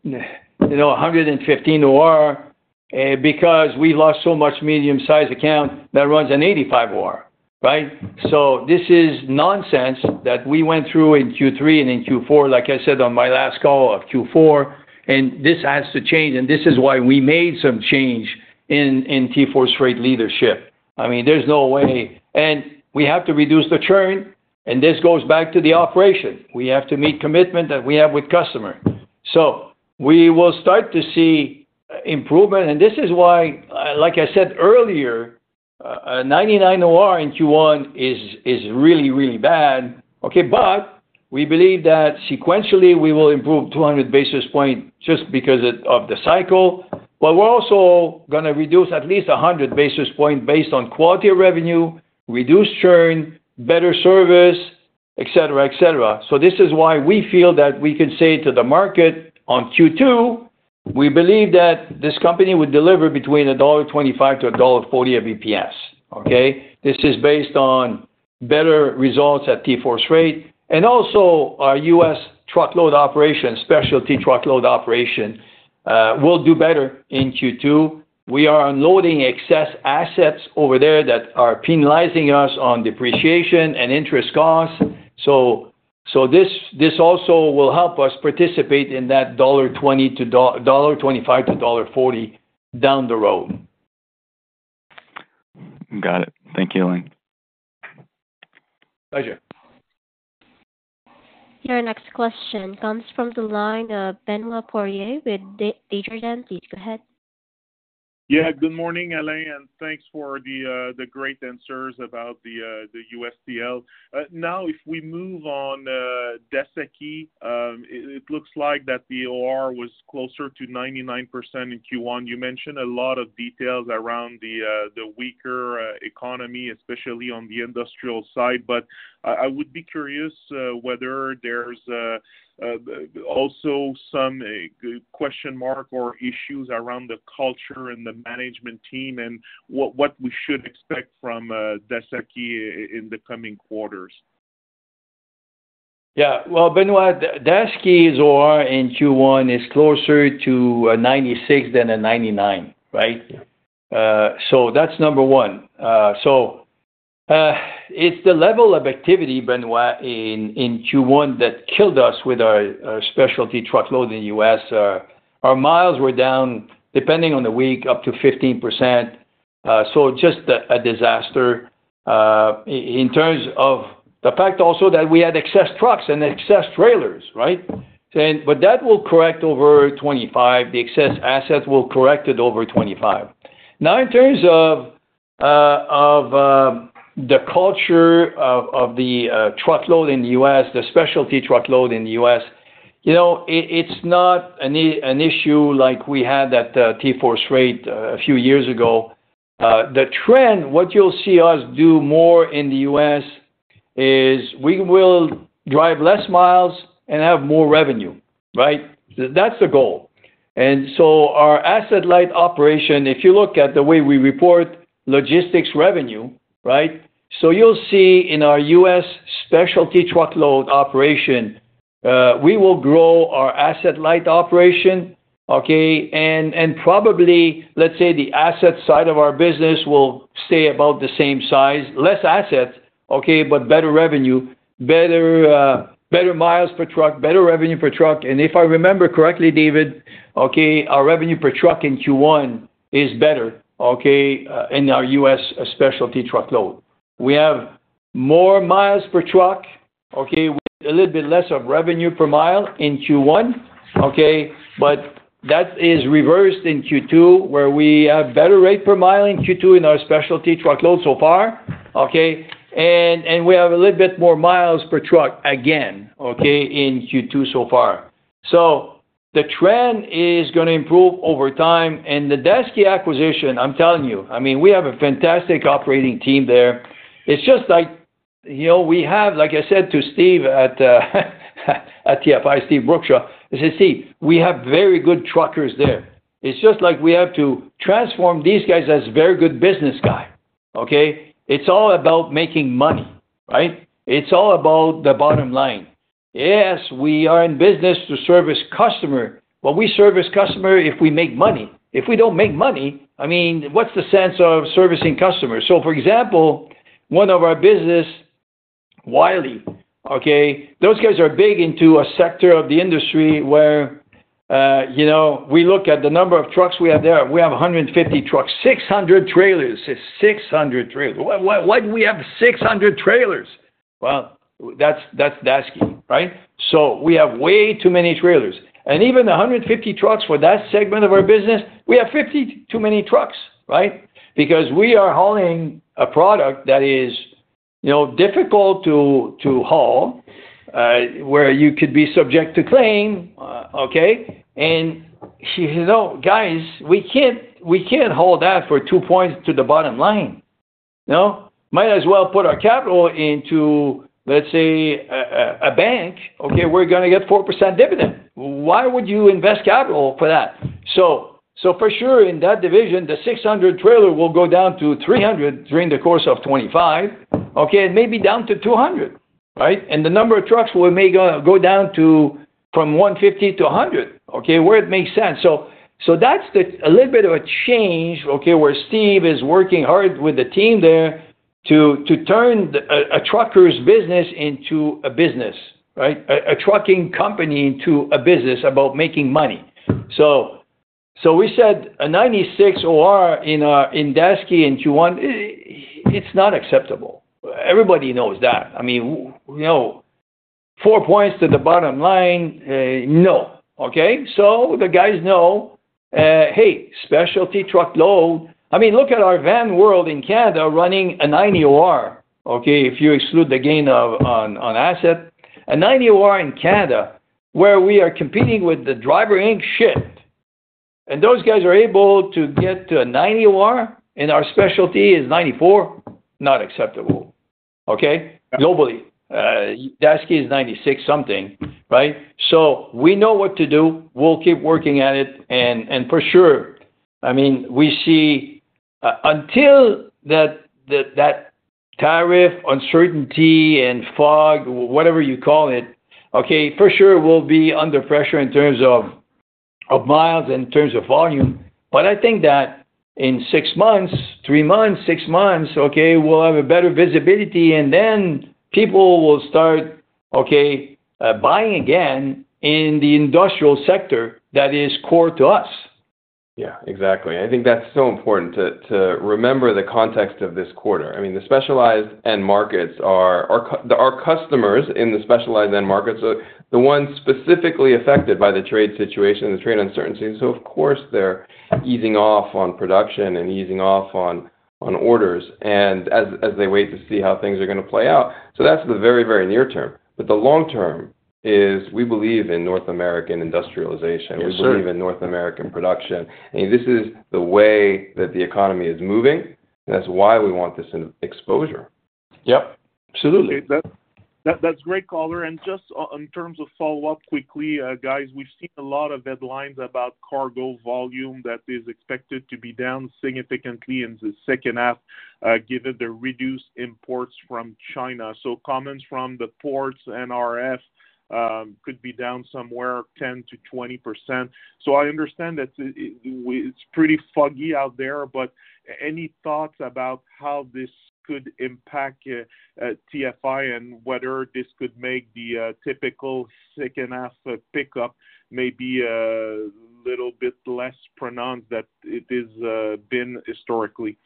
S2: 115 OR because we've lost so much medium-sized account that runs at 85 OR, right? This is nonsense that we went through in Q3 and in Q4, like I said on my last call of Q4, and this has to change. This is why we made some change in TForce Freight leadership. I mean, there's no way. We have to reduce the churn, and this goes back to the operation. We have to meet commitment that we have with customer. We will start to see improvement. This is why, like I said earlier, 99 OR in Q1 is really, really bad. We believe that sequentially we will improve 200 basis points just because of the cycle. We are also going to reduce at least 100 basis points based on quality of revenue, reduce churn, better service, etc., etc. This is why we feel that we can say to the market on Q2, we believe that this company would deliver between $1.25-$1.40 EPS. This is based on better results at TForce Freight. Also, our US truckload operation, specialty truckload operation will do better in Q2. We are unloading excess assets over there that are penalizing us on depreciation and interest costs. This also will help us participate in that $1.25-$1.40 down the road.
S9: Got it. Thank you, Alain.
S2: Pleasure.
S1: Your next question comes from the line of Benoit Poirier with Desjardins. Please go ahead.
S10: Yeah. Good morning, Alain. Thanks for the great answers about the U.S. LTL. Now, if we move on Daseke, it looks like the OR was closer to 99% in Q1. You mentioned a lot of details around the weaker economy, especially on the industrial side. I would be curious whether there's also some question mark or issues around the culture and the management team, and what we should expect from Daseke in the coming quarters.
S2: Yeah. Benoit, Daseke's OR in Q1 is closer to 96 than 99, right? That is number one. It is the level of activity, Benoit, in Q1 that killed us with our specialty truckload in the U.S. Our miles were down, depending on the week, up to 15%. Just a disaster in terms of the fact also that we had excess trucks and excess trailers, right? That will correct over 2025. The excess asset will correct over 2025. In terms of the culture of the truckload in the U.S., the specialty truckload in the U.S., it is not an issue like we had at TForce Freight a few years ago. The trend, what you will see us do more in the U.S. is we will drive fewer miles and have more revenue, right? That is the goal. Our asset-light operation, if you look at the way we report logistics revenue, right? You will see in our U.S- specialty truckload operation, we will grow our asset-light operation. Probably, the asset side of our business will stay about the same size, less assets, but better revenue, better miles per truck, better revenue per truck. If I remember correctly, David, our revenue per truck in Q1 is better in our U.S. specialty truckload. We have more miles per truck with a little bit less of revenue per mile in Q1. That is reversed in Q2, where we have better rate per mile in Q2 in our specialty truckload so far. We have a little bit more miles per truck again in Q2 so far. The trend is going to improve over time. The Daseke acquisition, I'm telling you, I mean, we have a fantastic operating team there. It's just like we have, like I said to Steve at TFI, Steve Brookshaw, I said, "Steve, we have very good truckers there." It's just like we have to transform these guys as very good business guys. It's all about making money, right? It's all about the bottom line. Yes, we are in business to service customer, but we service customer if we make money. If we don't make money, I mean, what's the sense of servicing customers? For example, one of our business, Wiley, those guys are big into a sector of the industry where we look at the number of trucks we have there. We have 150 trucks, 600 trailers, 600 trailers. Why do we have 600 trailers? That's Daseke, right? We have way too many trailers. Even the 150 trucks for that segment of our business, we have 50 too many trucks, right? Because we are hauling a product that is difficult to haul where you could be subject to claim. Guys, we can't haul that for two points to the bottom line. Might as well put our capital into, let's say, a bank. We're going to get 4% dividend. Why would you invest capital for that? For sure, in that division, the 600 trailer will go down to 300 during the course of 2025 and maybe down to 200, right? The number of trucks will go down from 150 to 100, where it makes sense. That is a little bit of a change where Steve is working hard with the team there to turn a trucker's business into a business, a trucking company into a business about making money. We said a 96 OR in Daseke in Q1, it's not acceptable. Everybody knows that. I mean, four points to the bottom line, no. The guys know, "Hey, specialty truckload." I mean, look at our van world in Canada, running a 90 OR if you exclude the gain on asset. A 90 OR in Canada, where we are competing with the driver ink shit. Those guys are able to get to a 90 OR, and our specialty is 94, not acceptable globally. Daseke is 96 something, right? We know what to do. We'll keep working at it. For sure, I mean, we see until that tariff uncertainty and fog, whatever you call it, for sure we'll be under pressure in terms of miles and in terms of volume. I think that in six months, three months, six months, we'll have a better visibility, and then people will start buying again in the industrial sector that is core to us.
S4: Yeah, exactly. I think that's so important to remember the context of this quarter. I mean, the specialized end markets are our customers in the specialized end markets, the ones specifically affected by the trade situation, the trade uncertainties. Of course, they're easing off on production and easing off on orders as they wait to see how things are going to play out. That's the very, very near term. The long term is we believe in North American industrialization. We believe in North American production. This is the way that the economy is moving. That's why we want this exposure.
S2: Yep. Absolutely.
S10: That's great color. Just in terms of follow-up quickly, guys, we've seen a lot of headlines about cargo volume that is expected to be down significantly in the second half, given the reduced imports from China. Comments from the ports and RF could be down somewhere 10%-20%. I understand that it's pretty foggy out there, but any thoughts about how this could impact TFI and whether this could make the typical second-half pickup maybe a little bit less pronounced than it has been historically?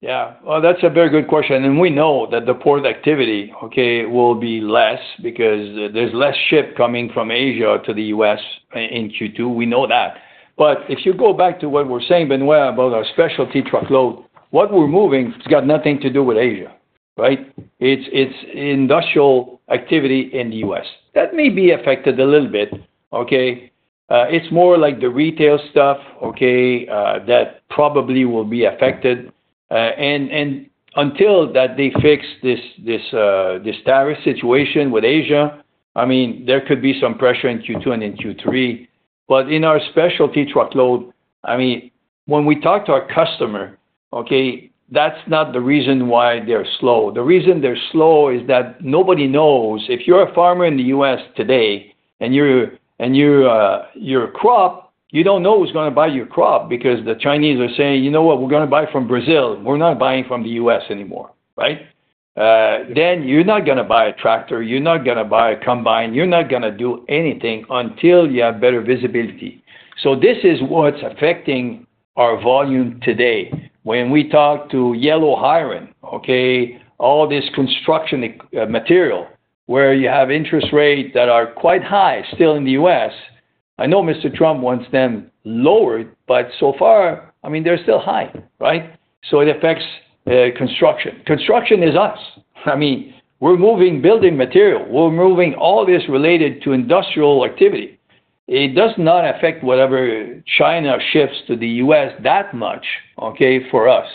S2: Yeah. That is a very good question. We know that the port activity will be less because there is less ship coming from Asia to the U.S. in Q2. We know that. If you go back to what we are saying, Benoit, about our specialty truckload, what we are moving, it has got nothing to do with Asia, right? It is industrial activity in the U.S. That may be affected a little bit. It is more like the retail stuff that probably will be affected. Until they fix this tariff situation with Asia, I mean, there could be some pressure in Q2 and in Q3. In our specialty truckload, when we talk to our customer, that is not the reason why they are slow. The reason they are slow is that nobody knows. If you're a farmer in the U.S. today and you're a crop, you don't know who's going to buy your crop because the Chinese are saying, "You know what? We're going to buy from Brazil. We're not buying from the U.S. anymore," right? You're not going to buy a tractor. You're not going to buy a combine. You're not going to do anything until you have better visibility. This is what's affecting our volume today. When we talk to yellow hiring, all this construction material where you have interest rates that are quite high still in the U.S., I know Mr. Trump wants them lowered, but so far, I mean, they're still high, right? It affects construction. Construction is us. I mean, we're moving building material. We're moving all this related to industrial activity. It does not affect whatever China shifts to the U.S. that much for us.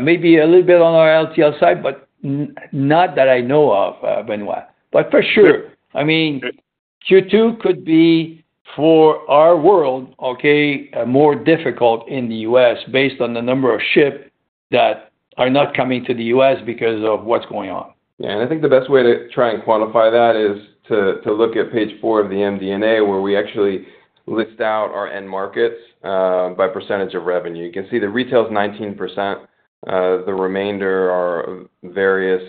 S2: Maybe a little bit on our LTL side, but not that I know of, Benoit. For sure, I mean, Q2 could be for our world more difficult in the U.S. based on the number of ships that are not coming to the U.S. because of what is going on.
S4: Yeah. I think the best way to try and quantify that is to look at page four of the MD&A, where we actually list out our end markets by percentage of revenue. You can see the retail is 19%. The remainder are various,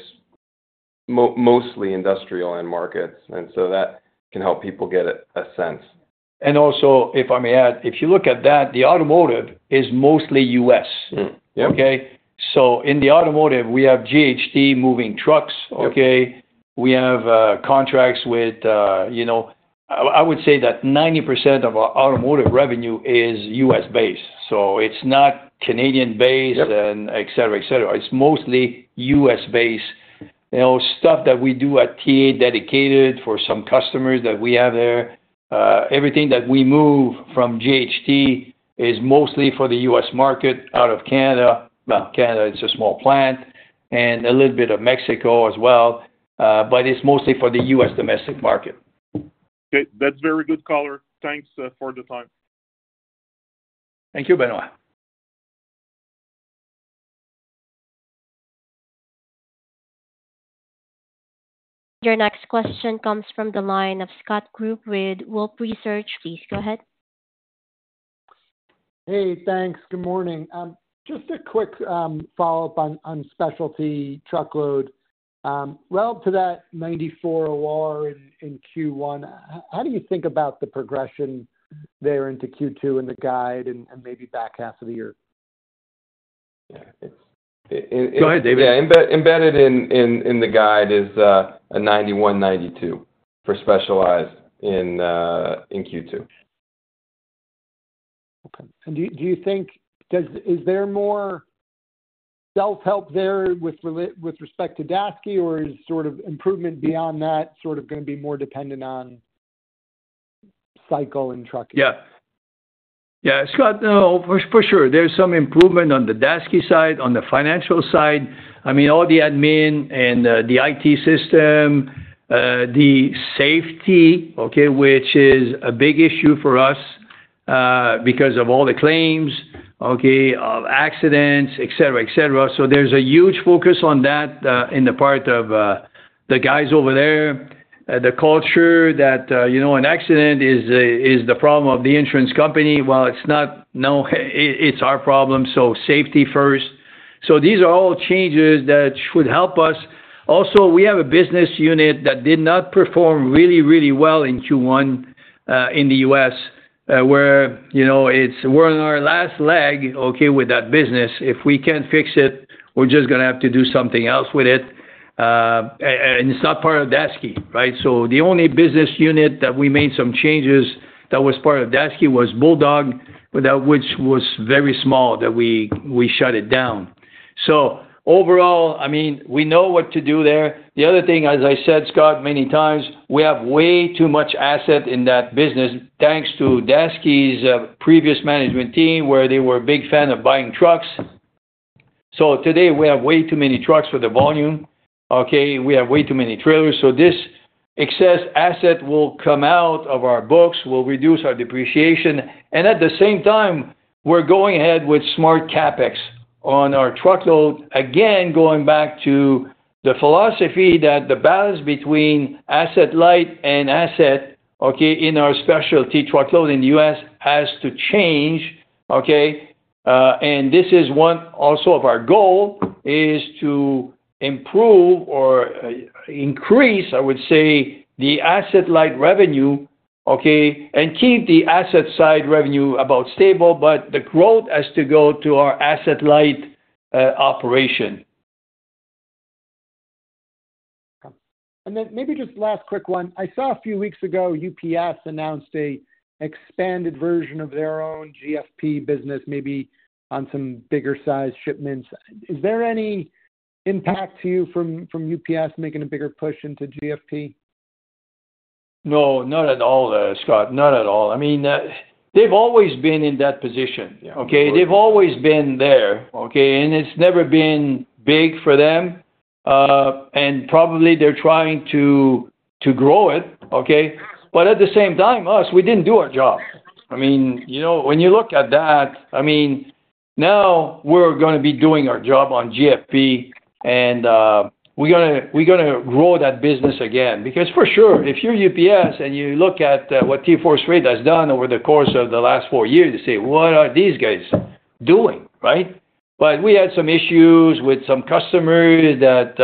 S4: mostly industrial end markets. That can help people get a sense.
S2: If I may add, if you look at that, the automotive is mostly U.S. In the automotive, we have JHT moving trucks. We have contracts with, I would say that 90% of our automotive revenue is U.S.-based. It is not Canadian-based, etc., etc. It is mostly U.S.-based. Stuff that we do at TA dedicated for some customers that we have there. Everything that we move from JHT is mostly for the U.S. market out of Canada. Canada is a small plant and a little bit of Mexico as well. It is mostly for the U.S. domestic market.
S10: Okay. That's very good color. Thanks for the time.
S2: Thank you, Benoit.
S1: Your next question comes from the line of Scott Group with Wolfe Research. Please go ahead.
S11: Hey, thanks. Good morning. Just a quick follow-up on specialty truckload. Relative to that 94 OR in Q1, how do you think about the progression there into Q2 in the guide, and maybe back half of the year? Yeah. It's.
S2: Go ahead, David.
S4: Yeah. Embedded in the guide is a 91-92 for specialized in Q2.
S11: Okay. Do you think is there more self-help there with respect to Daseke, or is sort of improvement beyond that sort of going to be more dependent on cycle and trucking?
S2: Yeah. Yeah. Scott, for sure, there's some improvement on the Daseke side, on the financial side. I mean, all the admin and the IT system, the safety, which is a big issue for us because of all the claims, accidents, etc., etc. There's a huge focus on that in the part of the guys over there, the culture that an accident is the problem of the insurance company. It's not. No, it's our problem. Safety first. These are all changes that should help us. Also, we have a business unit that did not perform really, really well in Q1 in the U.S. where we're on our last leg with that business. If we can't fix it, we're just going to have to do something else with it. It's not part of Daseke, right? The only business unit that we made some changes that was part of Daseke was Bulldog, which was very small, that we shut it down. Overall, I mean, we know what to do there. The other thing, as I said, Scott, many times, we have way too much asset in that business thanks to Daseke's previous management team, where they were a big fan of buying trucks. Today, we have way too many trucks for the volume. We have way too many trailers. This excess asset will come out of our books, will reduce our depreciation. At the same time, we're going ahead with smart CapEx on our truckload, again, going back to the philosophy that the balance between asset light and asset in our specialty truckload in the U.S. has to change. This is one also of our goal is to improve or increase, I would say, the asset light revenue and keep the asset side revenue about stable, but the growth has to go to our asset light operation.
S11: Maybe just last quick one. I saw a few weeks ago UPS announced an expanded version of their own GFP business, maybe on some bigger size shipments. Is there any impact to you from UPS making a bigger push into GFP?
S2: No, not at all, Scott. Not at all. I mean, they've always been in that position. They've always been there. And it's never been big for them. Probably they're trying to grow it. At the same time, us, we didn't do our job. I mean, when you look at that, I mean, now we're going to be doing our job on GFP and we're going to grow that business again. For sure, if you're UPS and you look at what TForce Freight has done over the course of the last four years, you say, "What are these guys doing?" Right? We had some issues with some customers that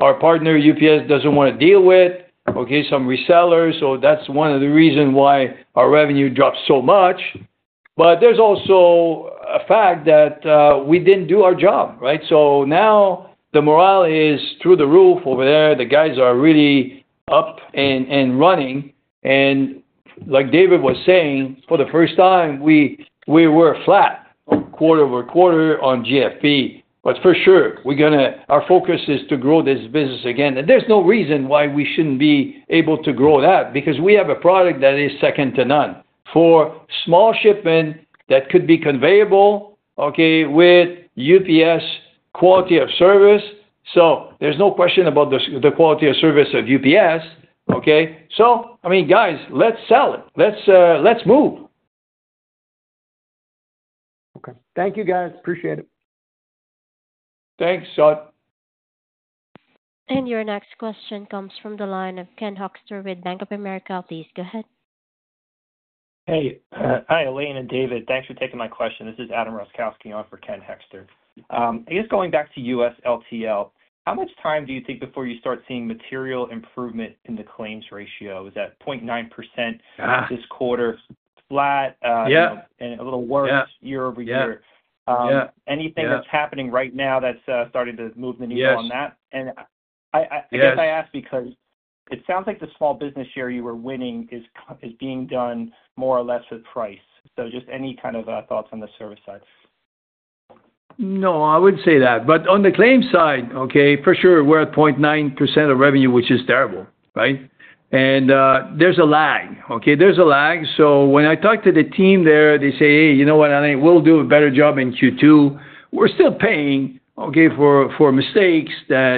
S2: our partner UPS doesn't want to deal with, some resellers. That's one of the reasons why our revenue dropped so much. There's also a fact that we didn't do our job, right? Now the morale is through the roof over there. The guys are really up and running. Like David was saying, for the first time, we were flat quarter over quarter on GFP. For sure, our focus is to grow this business again. There is no reason why we should not be able to grow that because we have a product that is second to none for small shipment that could be conveyable with UPS quality of service. There is no question about the quality of service of UPS. I mean, guys, let's sell it. Let's move.
S11: Okay. Thank you, guys. Appreciate it.
S2: Thanks, Scott.
S1: Your next question comes from the line of Ken Hoexter with Bank of America. Please go ahead.
S12: Hey. Hi, Alain and David. Thanks for taking my question. This is Adam Roszkowski on for Ken Hoexter. I guess going back to U.S. LTL, how much time do you think before you start seeing material improvement in the claims ratio? Is that 0.9% this quarter, flat, and a little worse year-over-year?
S2: Yeah. Yeah.
S12: Anything that is happening right now that is starting to move the needle on that? I guess I ask because it sounds like the small business share you were winning is being done more or less with price. Just any kind of thoughts on the service side?
S2: No, I would not say that. But on the claims side, for sure, we are at 0.9% of revenue, which is terrible, right? There is a lag. There is a lag. When I talk to the team there, they say, "Hey, you know what, Alain? We will do a better job in Q2." We are still paying for mistakes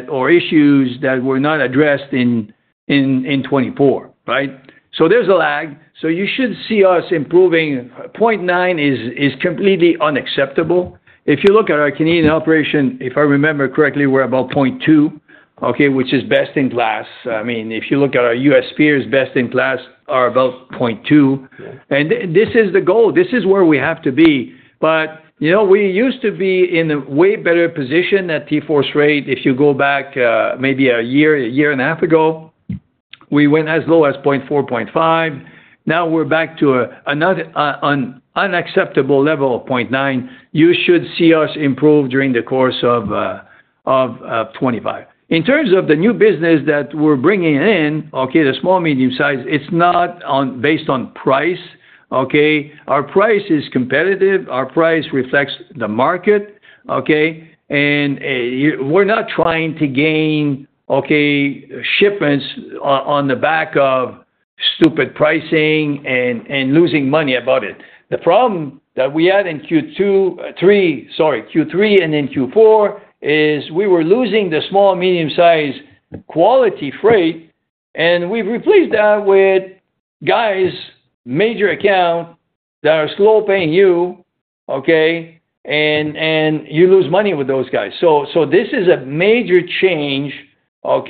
S2: or issues that were not addressed in 2024, right? There is a lag. You should see us improving. 0.9% is completely unacceptable. If you look at our Canadian operation, if I remember correctly, we are about 0.2%, which is best in class. I mean, if you look at our U.S. peers, best in class are about 0.2%. This is the goal. This is where we have to be. We used to be in a way better position at TForce Freight. If you go back maybe a year, a year and a half ago, we went as low as 0.4, 0.5. Now we're back to an unacceptable level of 0.9. You should see us improve during the course of 2025. In terms of the new business that we're bringing in, the small, medium size, it's not based on price. Our price is competitive. Our price reflects the market. We're not trying to gain shipments on the back of stupid pricing and losing money about it. The problem that we had in Q3, sorry, Q3 and in Q4 is we were losing the small, medium-size quality freight. We've replaced that with guys' major accounts that are slow paying you, and you lose money with those guys. This is a major change of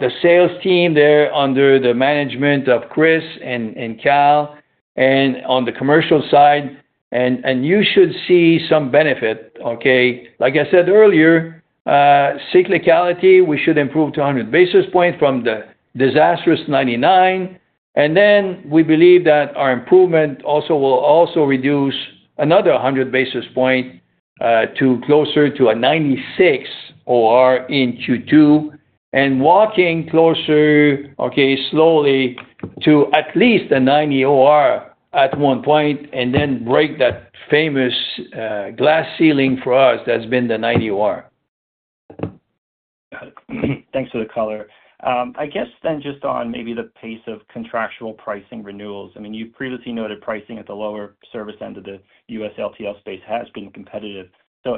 S2: the sales team there under the management of Chris and Cal and on the commercial side. You should see some benefit. Like I said earlier, cyclicality, we should improve to 100 basis points from the disastrous 99. We believe that our improvement will also reduce another 100 basis points to closer to a 96 OR in Q2 and walking closer slowly to at least a 90 OR at one point and then break that famous glass ceiling for us that has been the 90 OR.
S12: Got it. Thanks for the color. I guess then just on maybe the pace of contractual pricing renewals. I mean, you've previously noted pricing at the lower service end of the U.S. LTL space has been competitive.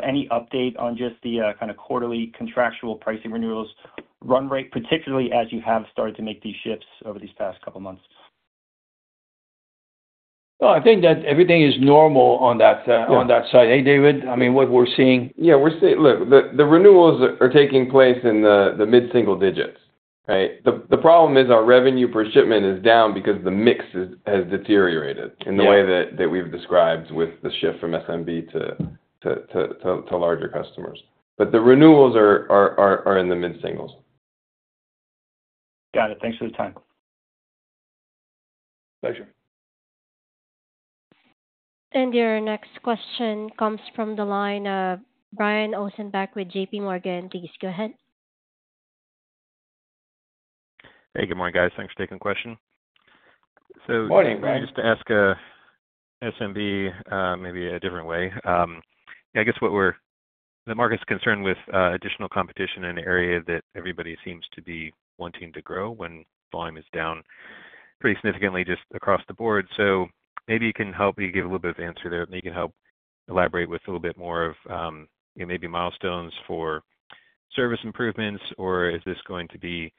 S12: Any update on just the kind of quarterly contractual pricing renewals run rate, particularly as you have started to make these shifts over these past couple of months?
S2: I think that everything is normal on that side. Hey, David, I mean, what we're seeing?
S4: Yeah. Look, the renewals are taking place in the mid-single digits, right? The problem is our revenue per shipment is down because the mix has deteriorated in the way that we've described with the shift from SMB to larger customers. The renewals are in the mid-singles.
S12: Got it. Thanks for the time.
S4: Pleasure.
S1: Your next question comes from the line of Brian Ossenbeck with JPMorgan. Please go ahead.
S13: Hey, good morning, guys. Thanks for taking the question.
S4: Morning, Brian.
S13: I just wanted to ask SMB maybe a different way. I guess the market's concerned with additional competition in an area that everybody seems to be wanting to grow when volume is down pretty significantly just across the board. Maybe you can help me give a little bit of answer there. Maybe you can help elaborate with a little bit more of maybe milestones for service improvements, or is this going to be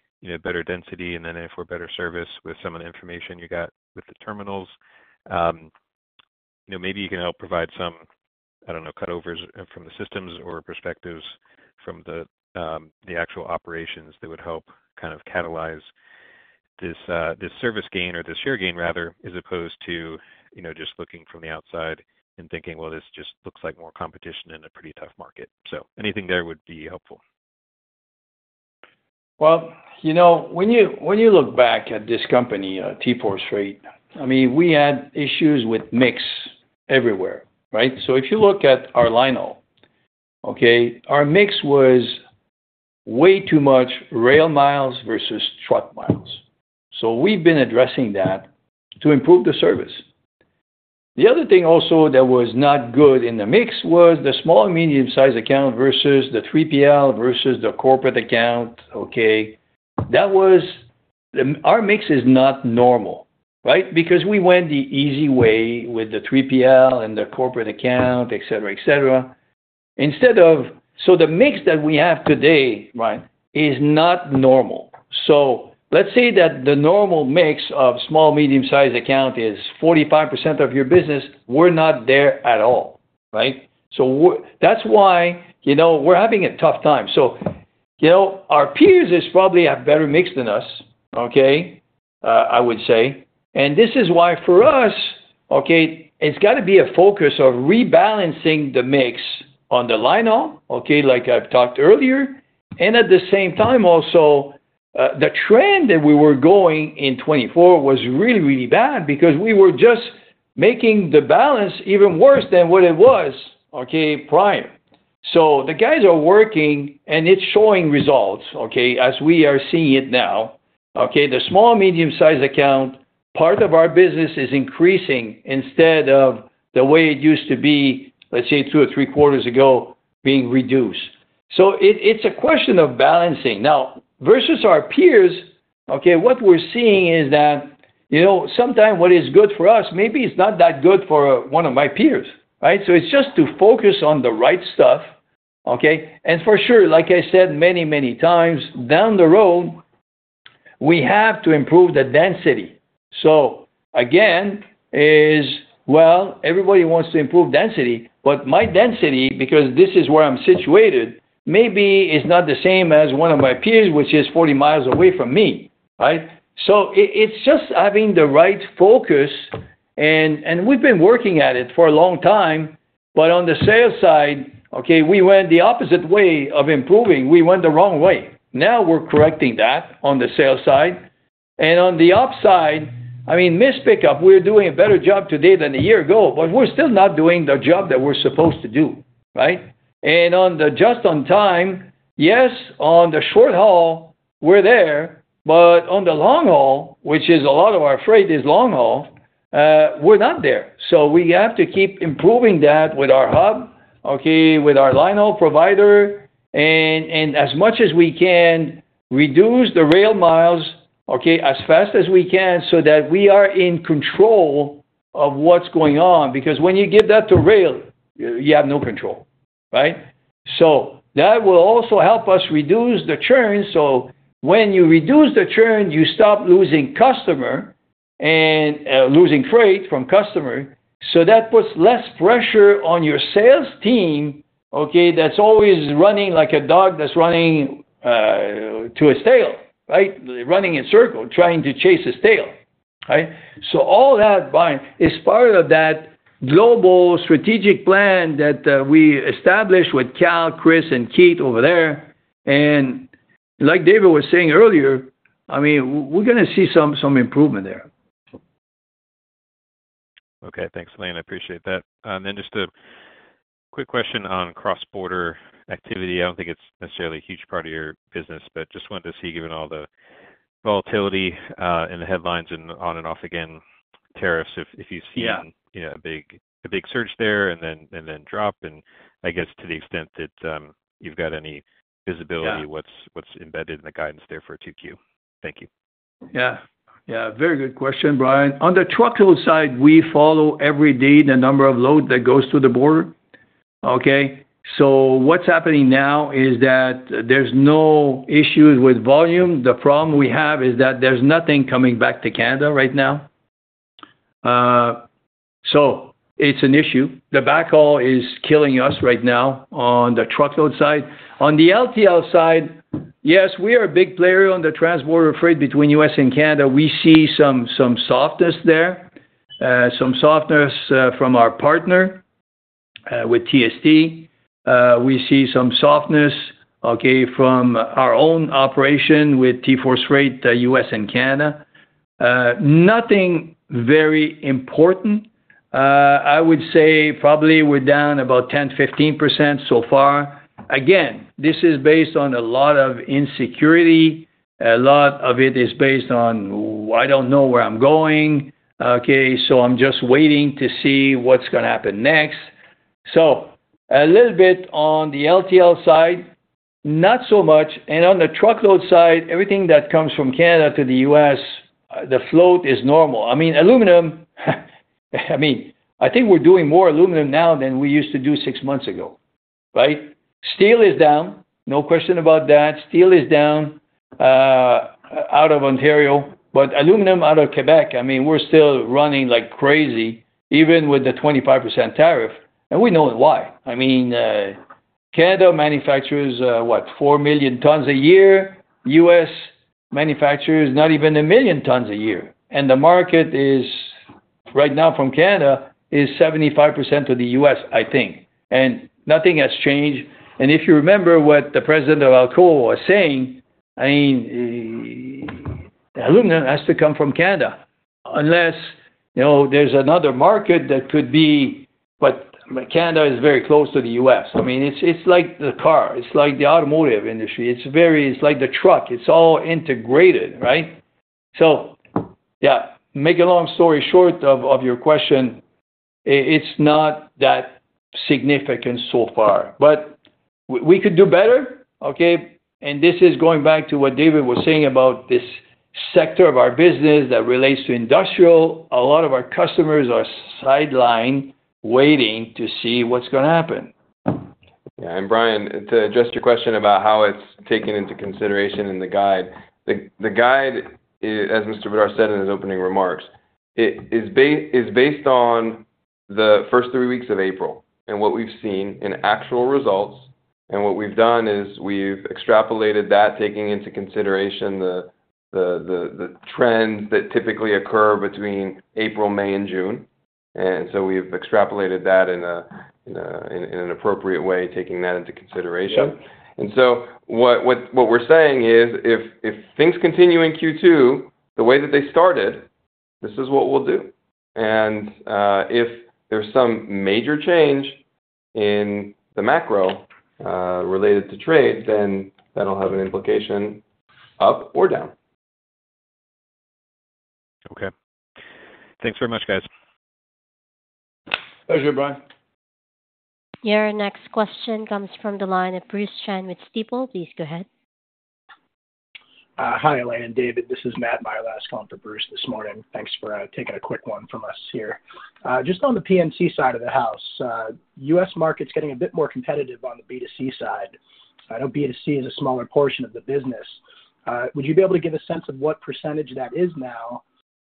S13: better density? If we're better service with some of the information you got with the terminals, maybe you can help provide some, I don't know, cutovers from the systems or perspectives from the actual operations that would help kind of catalyze this service gain or this share gain, rather, as opposed to just looking from the outside and thinking, "Well, this just looks like more competition in a pretty tough market." Anything there would be helpful.
S2: When you look back at this company, TForce Freight, I mean, we had issues with mix everywhere, right? If you look at our line-haul, our mix was way too much rail miles versus truck miles. We have been addressing that to improve the service. The other thing also that was not good in the mix was the small and medium size account versus the 3PL versus the corporate account. Our mix is not normal, right? Because we went the easy way with the 3PL and the corporate account, etc., etc. The mix that we have today is not normal. Let's say that the normal mix of small, medium size account is 45% of your business. We're not there at all, right? That's why we're having a tough time. Our peers probably have better mix than us, I would say. This is why for us, it has to be a focus of rebalancing the mix on the line-haul, like I talked earlier. At the same time, also, the trend that we were going in 2024 was really, really bad because we were just making the balance even worse than what it was prior. The guys are working, and it is showing results as we are seeing it now. The small, medium size account part of our business is increasing instead of the way it used to be, let's say, two or three quarters ago being reduced. It is a question of balancing. Now, versus our peers, what we are seeing is that sometimes what is good for us, maybe it is not that good for one of my peers, right? It is just to focus on the right stuff. For sure, like I said many, many times, down the road, we have to improve the density. Again, everybody wants to improve density, but my density, because this is where I'm situated, maybe is not the same as one of my peers, which is 40 mi away from me, right? It is just having the right focus. We have been working at it for a long time. On the sales side, we went the opposite way of improving. We went the wrong way. Now we are correcting that on the sales side. On the upside, I mean, mispick-up, we are doing a better job today than a year ago, but we are still not doing the job that we are supposed to do, right? Just on time, yes, on the short haul, we are there. On the long haul, which is a lot of our freight is long haul, we're not there. We have to keep improving that with our hub, with our line-haul provider, and as much as we can, reduce the rail miles as fast as we can so that we are in control of what's going on. Because when you give that to rail, you have no control, right? That will also help us reduce the churn. When you reduce the churn, you stop losing freight from customers. That puts less pressure on your sales team that's always running like a dog that's running to his tail, right? Running in circles, trying to chase his tail, right? All that is part of that global strategic plan that we established with Cal, Chris, and Keith over there. Like David was saying earlier, I mean, we're going to see some improvement there.
S13: Okay. Thanks, Alain. I appreciate that. Just a quick question on cross-border activity. I do not think it is necessarily a huge part of your business, but just wanted to see, given all the volatility in the headlines and on and off again tariffs, if you have seen a big surge there and then drop. I guess to the extent that you have got any visibility, what is embedded in the guidance there for Q2? Thank you.
S2: Yeah. Yeah. Very good question, Brian. On the truckload side, we follow every day the number of loads that goes through the border. What is happening now is that there is no issues with volume. The problem we have is that there is nothing coming back to Canada right now. It is an issue. The backhaul is killing us right now on the truckload side. On the LTL side, yes, we are a big player on the trans-border freight between U.S. and Canada. We see some softness there, some softness from our partner with TST. We see some softness from our own operation with TForce Freight, U.S. and Canada. Nothing very important. I would say probably we are down about 10%-15% so far. Again, this is based on a lot of insecurity. A lot of it is based on, "I don't know where I'm going." I'm just waiting to see what's going to happen next. A little bit on the LTL side, not so much. On the truckload side, everything that comes from Canada to the U.S., the float is normal. I mean, aluminum, I think we're doing more aluminum now than we used to do six months ago, right? Steel is down. No question about that. Steel is down out of Ontario. Aluminum out of Quebec, we're still running like crazy, even with the 25% tariff. We know why. Canada manufactures what, 4 million tons a year. U.S. manufacturers not even a million tons a year. The market right now from Canada is 75% of the U.S., I think. Nothing has changed. If you remember what the president of Alcoa was saying, I mean, the aluminum has to come from Canada unless there's another market that could be. Canada is very close to the U.S. I mean, it's like the car. It's like the automotive industry. It's like the truck. It's all integrated, right? Making a long story short of your question, it's not that significant so far. We could do better. This is going back to what David was saying about this sector of our business that relates to industrial. A lot of our customers are sideline waiting to see what's going to happen.
S4: Yeah. Brian, to address your question about how it's taken into consideration in the guide, the guide, as Mr. Bédard said in his opening remarks, is based on the first three weeks of April and what we've seen in actual results. What we've done is we've extrapolated that, taking into consideration the trends that typically occur between April, May, and June. We've extrapolated that in an appropriate way, taking that into consideration. What we're saying is if things continue in Q2 the way that they started, this is what we'll do. If there's some major change in the macro related to trade, then that'll have an implication up or down.
S13: Okay. Thanks very much, guys.
S2: Pleasure, Brian.
S1: Your next question comes from the line of Bruce Chan with Stifel. Please go ahead.
S14: Hi, Alain and David. This is Matt Meyer last calling for Bruce this morning. Thanks for taking a quick one from us here. Just on the P&D side of the house, U.S. market's getting a bit more competitive on the B2C side. I know B2C is a smaller portion of the business. Would you be able to give a sense of what percentage that is now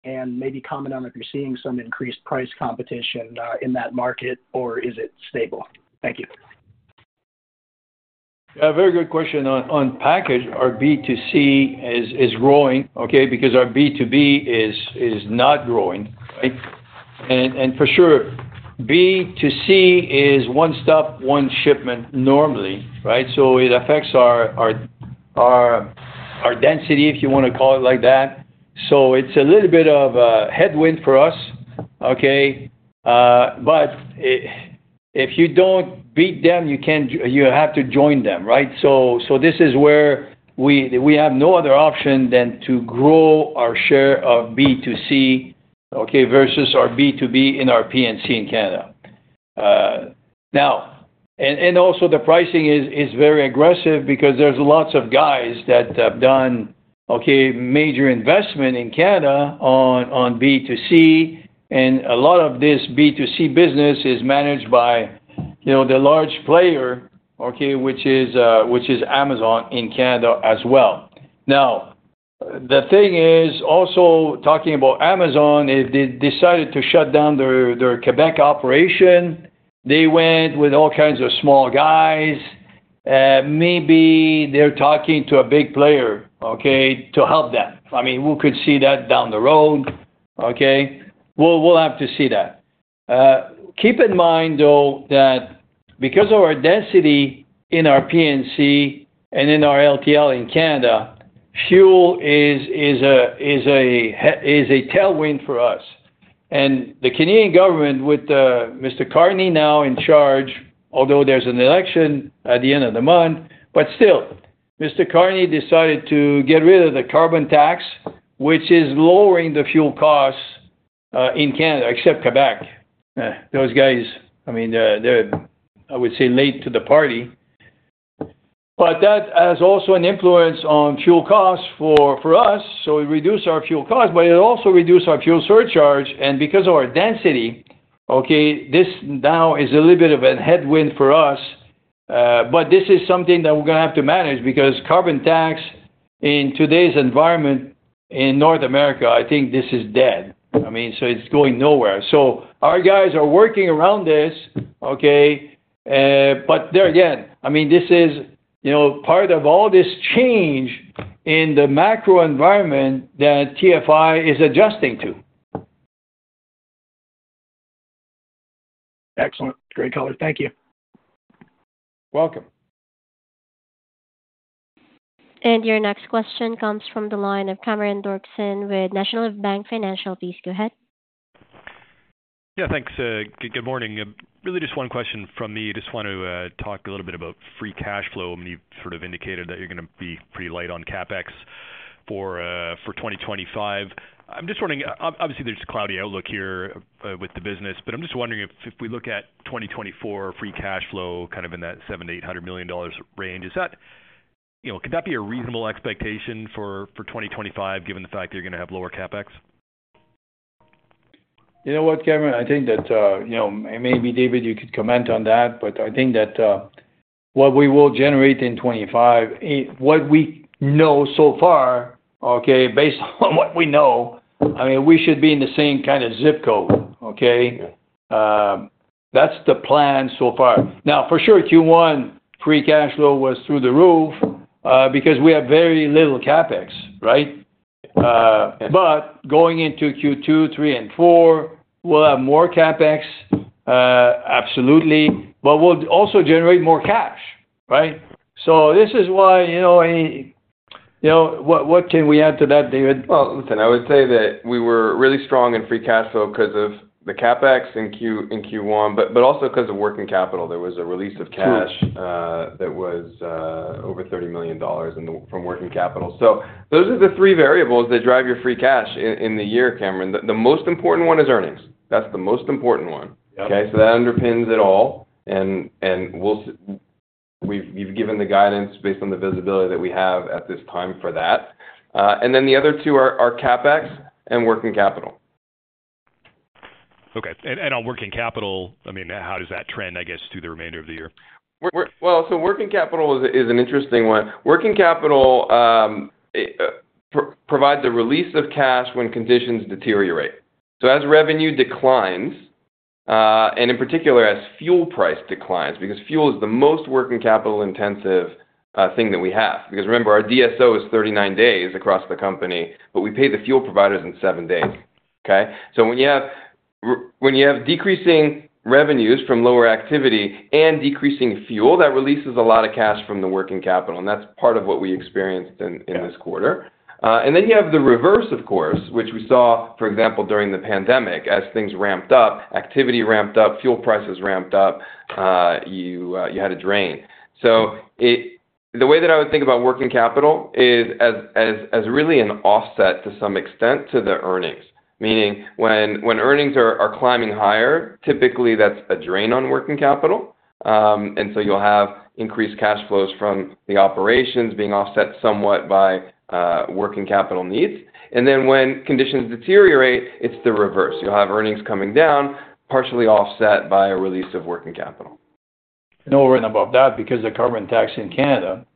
S14: and maybe comment on if you're seeing some increased price competition in that market, or is it stable? Thank you.
S2: Yeah. Very good question. On package, our B2C is growing, okay, because our B2B is not growing, right? For sure, B2C is one stop, one shipment normally, right? It affects our density, if you want to call it like that. It is a little bit of a headwind for us, okay? If you do not beat them, you have to join them, right? This is where we have no other option than to grow our share of B2C versus our B2B in our PNC in Canada. Also, the pricing is very aggressive because there are lots of guys that have done major investment in Canada on B2C. A lot of this B2C business is managed by the large player, which is Amazon in Canada as well. Now, the thing is, also talking about Amazon, if they decided to shut down their Quebec operation, they went with all kinds of small guys. Maybe they're talking to a big player to help them. I mean, we could see that down the road. We'll have to see that. Keep in mind, though, that because of our density in our PNC and in our LTL in Canada, fuel is a tailwind for us. The Canadian government, with Mr. Carney now in charge, although there's an election at the end of the month, but still, Mr. Carney decided to get rid of the carbon tax, which is lowering the fuel costs in Canada, except Quebec. Those guys, I mean, I would say late to the party. That has also an influence on fuel costs for us. It reduced our fuel costs, but it also reduced our fuel surcharge. Because of our density, this now is a little bit of a headwind for us. This is something that we're going to have to manage because carbon tax in today's environment in North America, I think this is dead. I mean, so it's going nowhere. Our guys are working around this, okay? There again, I mean, this is part of all this change in the macro environment that TFI is adjusting to.
S14: Excellent. Great color. Thank you.
S2: Welcome.
S1: Your next question comes from the line of Cameron Doerksen with National Bank Financial. Please go ahead.
S15: Yeah. Thanks. Good morning. Really just one question from me. I just want to talk a little bit about free cash flow. I mean, you've sort of indicated that you're going to be pretty light on CapEx for 2025. I'm just wondering, obviously, there's cloudy outlook here with the business, but I'm just wondering if we look at 2024 free cash flow kind of in that $700 million-$800 million range, could that be a reasonable expectation for 2025, given the fact that you're going to have lower CapEx?
S2: You know what, Cameron? I think that maybe, David, you could comment on that, but I think that what we will generate in 2025, what we know so far, based on what we know, I mean, we should be in the same kind of zip code, okay? That is the plan so far. For sure, Q1 free cash flow was through the roof because we have very little CapEx, right? Going into Q2, 3, and 4, we will have more CapEx, absolutely. We will also generate more cash, right? This is why what can we add to that, David?
S4: I would say that we were really strong in free cash flow because of the CapEx in Q1, but also because of working capital. There was a release of cash that was over $30 million from working capital. Those are the three variables that drive your free cash in the year, Cameron. The most important one is earnings. That is the most important one, okay? That underpins it all. We have given the guidance based on the visibility that we have at this time for that. The other two are CapEx and working capital.
S15: Okay. On working capital, I mean, how does that trend, I guess, through the remainder of the year?
S4: Working capital is an interesting one. Working capital provides a release of cash when conditions deteriorate. As revenue declines, and in particular, as fuel price declines, because fuel is the most working capital-intensive thing that we have. Remember, our DSO is 39 days across the company, but we pay the fuel providers in 7 days, okay? When you have decreasing revenues from lower activity and decreasing fuel, that releases a lot of cash from the working capital. That is part of what we experienced in this quarter. You have the reverse, of course, which we saw, for example, during the pandemic as things ramped up, activity ramped up, fuel prices ramped up, you had a drain. The way that I would think about working capital is as really an offset to some extent to the earnings. Meaning, when earnings are climbing higher, typically that's a drain on working capital. You will have increased cash flows from the operations being offset somewhat by working capital needs. When conditions deteriorate, it's the reverse. You will have earnings coming down, partially offset by a release of working capital.
S2: No word about that because the carbon tax in Canada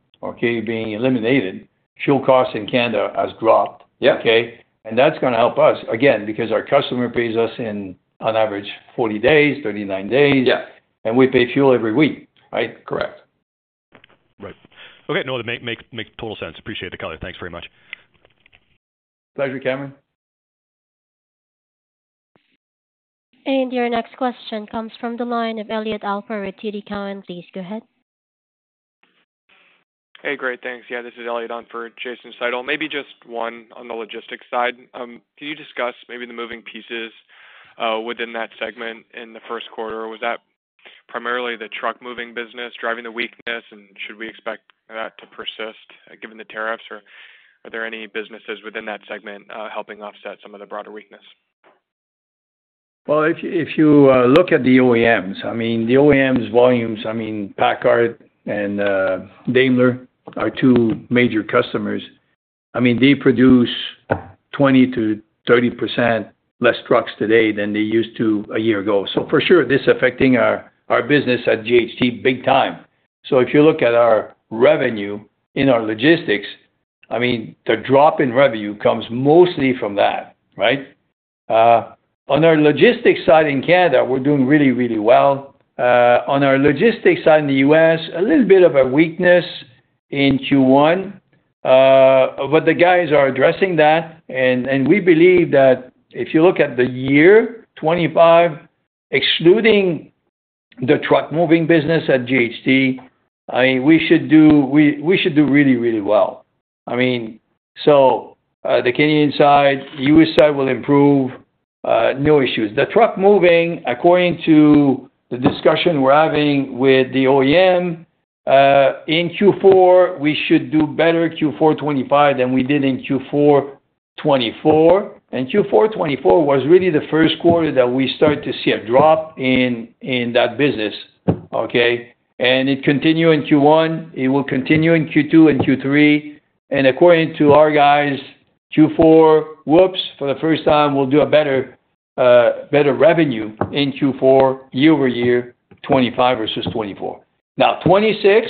S2: being eliminated, fuel costs in Canada has dropped, okay? That is going to help us, again, because our customer pays us in, on average, 40 days, 39 days, and we pay fuel every week, right?
S4: Correct.
S15: Right. Okay. No, it makes total sense. Appreciate the color. Thanks very much.
S2: Pleasure, Cameron.
S1: Your next question comes from the line of Elliot Alper with TD Cowen. Please go ahead.
S16: Hey, great. Thanks. Yeah, this is Elliot Alper with Jason. Maybe just one on the logistics side. Can you discuss maybe the moving pieces within that segment in the first quarter? Was that primarily the truck-moving business driving the weakness, and should we expect that to persist given the tariffs, or are there any businesses within that segment helping offset some of the broader weakness?
S2: If you look at the OEMs, I mean, the OEMs volumes, I mean, PACCAR and Daimler are two major customers. I mean, they produce 20%-30% less trucks today than they used to a year ago. For sure, this is affecting our business at JHT big time. If you look at our revenue in our logistics, I mean, the drop in revenue comes mostly from that, right? On our logistics side in Canada, we're doing really, really well. On our logistics side in the U.S., a little bit of a weakness in Q1, but the guys are addressing that. We believe that if you look at the year 2025, excluding the truck-moving business at JHT, I mean, we should do really, really well. I mean, the Canadian side, the US side will improve. No issues. The truck moving, according to the discussion we're having with the OEM, in Q4, we should do better Q4 2025 than we did in Q4 2024. Q4 2024 was really the first quarter that we started to see a drop in that business, okay? It continued in Q1. It will continue in Q2 and Q3. According to our guys, Q4, whoops, for the first time, we'll do a better revenue in Q4 year-over-year, 2025 versus 2024. Now, 2026,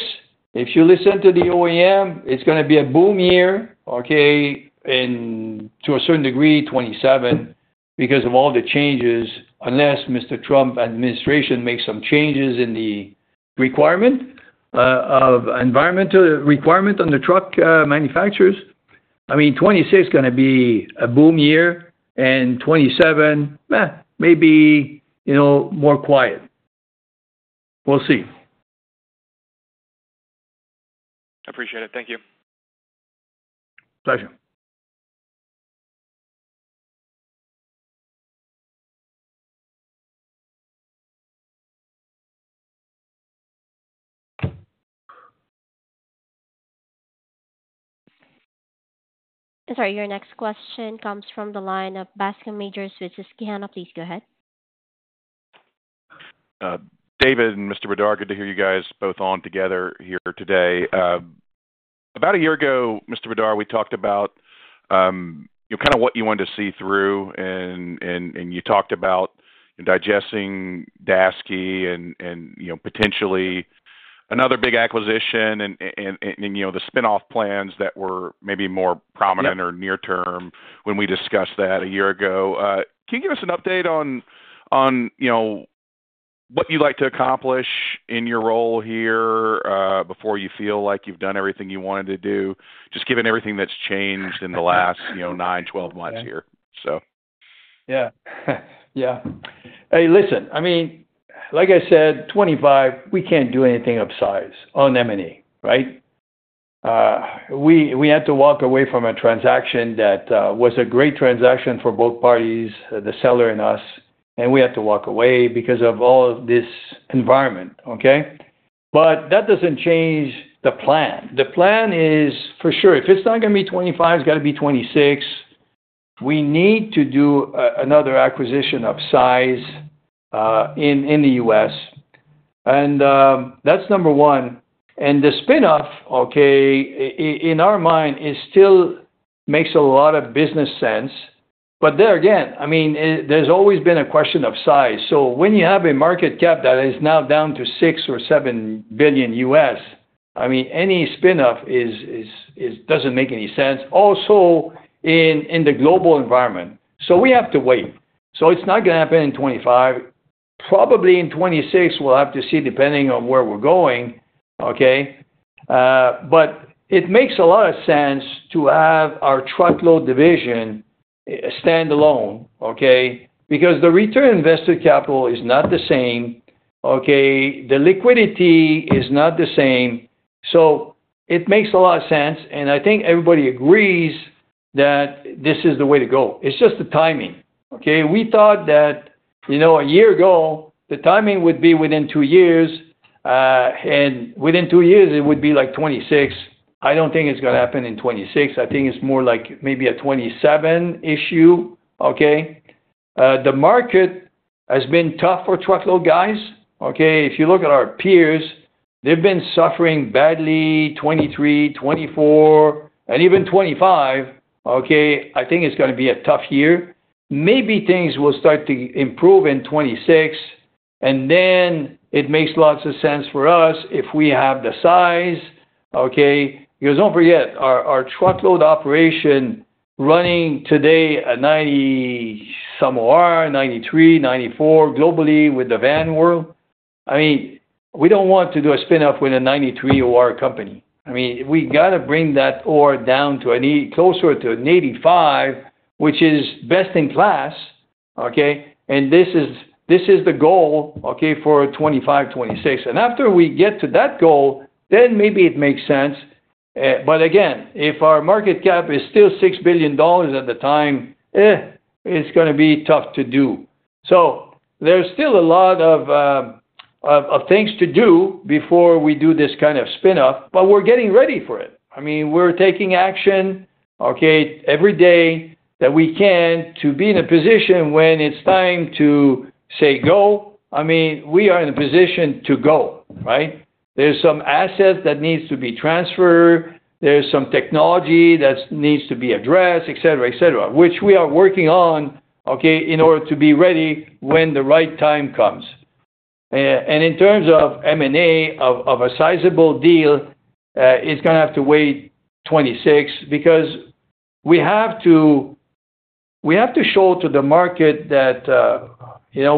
S2: if you listen to the OEM, it's going to be a boom year, okay? To a certain degree, 2027, because of all the changes, unless Mr. Trump administration makes some changes in the requirement of environmental requirement on the truck manufacturers. I mean, 2026 is going to be a boom year, and 2027, maybe more quiet. We'll see.
S16: I appreciate it. Thank you.
S2: Pleasure.
S1: Sorry, your next question comes from the line of Bascome Majors with Susquehanna. Please go ahead.
S17: David and Mr. Bédard, good to hear you guys both on together here today. About a year ago, Mr. Bédard, we talked about kind of what you wanted to see through, and you talked about digesting Daseke and potentially another big acquisition and the spinoff plans that were maybe more prominent or near-term when we discussed that a year ago. Can you give us an update on what you'd like to accomplish in your role here before you feel like you've done everything you wanted to do, just given everything that's changed in the last 9, 12 months here, so?
S2: Yeah. Yeah. Hey, listen, I mean, like I said, 2025, we can't do anything upsize on M&E, right? We had to walk away from a transaction that was a great transaction for both parties, the seller and us, and we had to walk away because of all this environment, okay? That does not change the plan. The plan is, for sure, if it is not going to be 2025, it has got to be 2026. We need to do another acquisition upsize in the U.S. That is number one. The spinoff, okay, in our mind, still makes a lot of business sense. There again, I mean, there has always been a question of size. When you have a market cap that is now down to $6 billion-$7 billion U.S., I mean, any spinoff does not make any sense, also in the global environment. We have to wait. It's not going to happen in 2025. Probably in 2026, we'll have to see depending on where we're going, okay? It makes a lot of sense to have our truckload division stand alone, okay? Because the return on invested capital is not the same, okay? The liquidity is not the same. It makes a lot of sense. I think everybody agrees that this is the way to go. It's just the timing, okay? We thought that a year ago, the timing would be within two years, and within two years, it would be like 2026. I don't think it's going to happen in 2026. I think it's more like maybe a 2027 issue, okay? The market has been tough for truckload guys, okay? If you look at our peers, they've been suffering badly in 2023, 2024, and even 2025, okay? I think it's going to be a tough year. Maybe things will start to improve in 2026, and then it makes lots of sense for us if we have the size, okay? Because don't forget, our truckload operation running today at 90-some OR, 93, 94 globally with the van world. I mean, we don't want to do a spinoff with a 93 OR company. I mean, we got to bring that OR down to closer to 85, which is best in class, okay? This is the goal, okay, for 2025, 2026. After we get to that goal, maybe it makes sense. If our market cap is still $6 billion at the time, it's going to be tough to do. There are still a lot of things to do before we do this kind of spinoff, but we're getting ready for it. I mean, we're taking action, okay, every day that we can to be in a position when it's time to say go. I mean, we are in a position to go, right? There are some assets that need to be transferred. There is some technology that needs to be addressed, etc., etc., which we are working on, okay, in order to be ready when the right time comes. In terms of M&A of a sizable deal, it's going to have to wait until 2026 because we have to show to the market that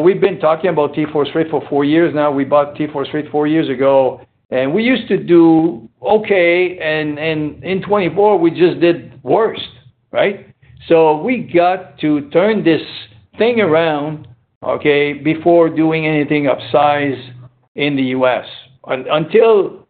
S2: we've been talking about TForce Freight for four years now. We bought TForce Freight four years ago, and we used to do okay, and in 2024, we just did worse, right? We got to turn this thing around, okay, before doing anything upsize in the U.S. until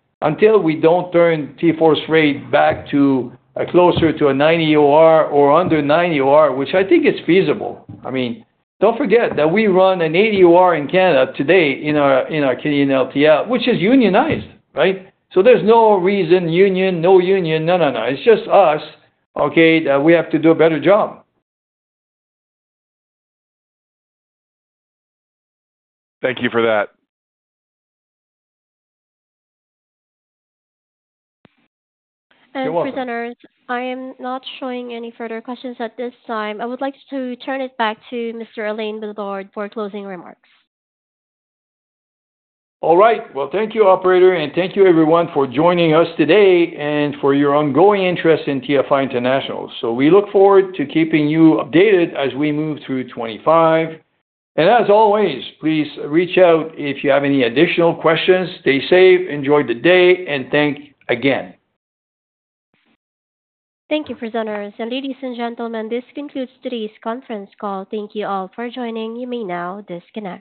S2: we do not turn TForce Freight back to closer to a 90 OR or under 90 OR, which I think is feasible. I mean, do not forget that we run an 80 OR in Canada today in our Canadian LTL, which is unionized, right? There is no reason union, no union, no, no, no. It is just us, okay, that we have to do a better job.
S17: Thank you for that.
S1: For presenters, I am not showing any further questions at this time. I would like to turn it back to Mr. Alain Bédard for closing remarks.
S2: All right. Thank you, Operator, and thank you, everyone, for joining us today and for your ongoing interest in TFI International. We look forward to keeping you updated as we move through 2025. As always, please reach out if you have any additional questions. Stay safe. Enjoy the day. Thank you again.
S1: Thank you, presenters. Ladies and gentlemen, this concludes today's conference call. Thank you all for joining. You may now disconnect.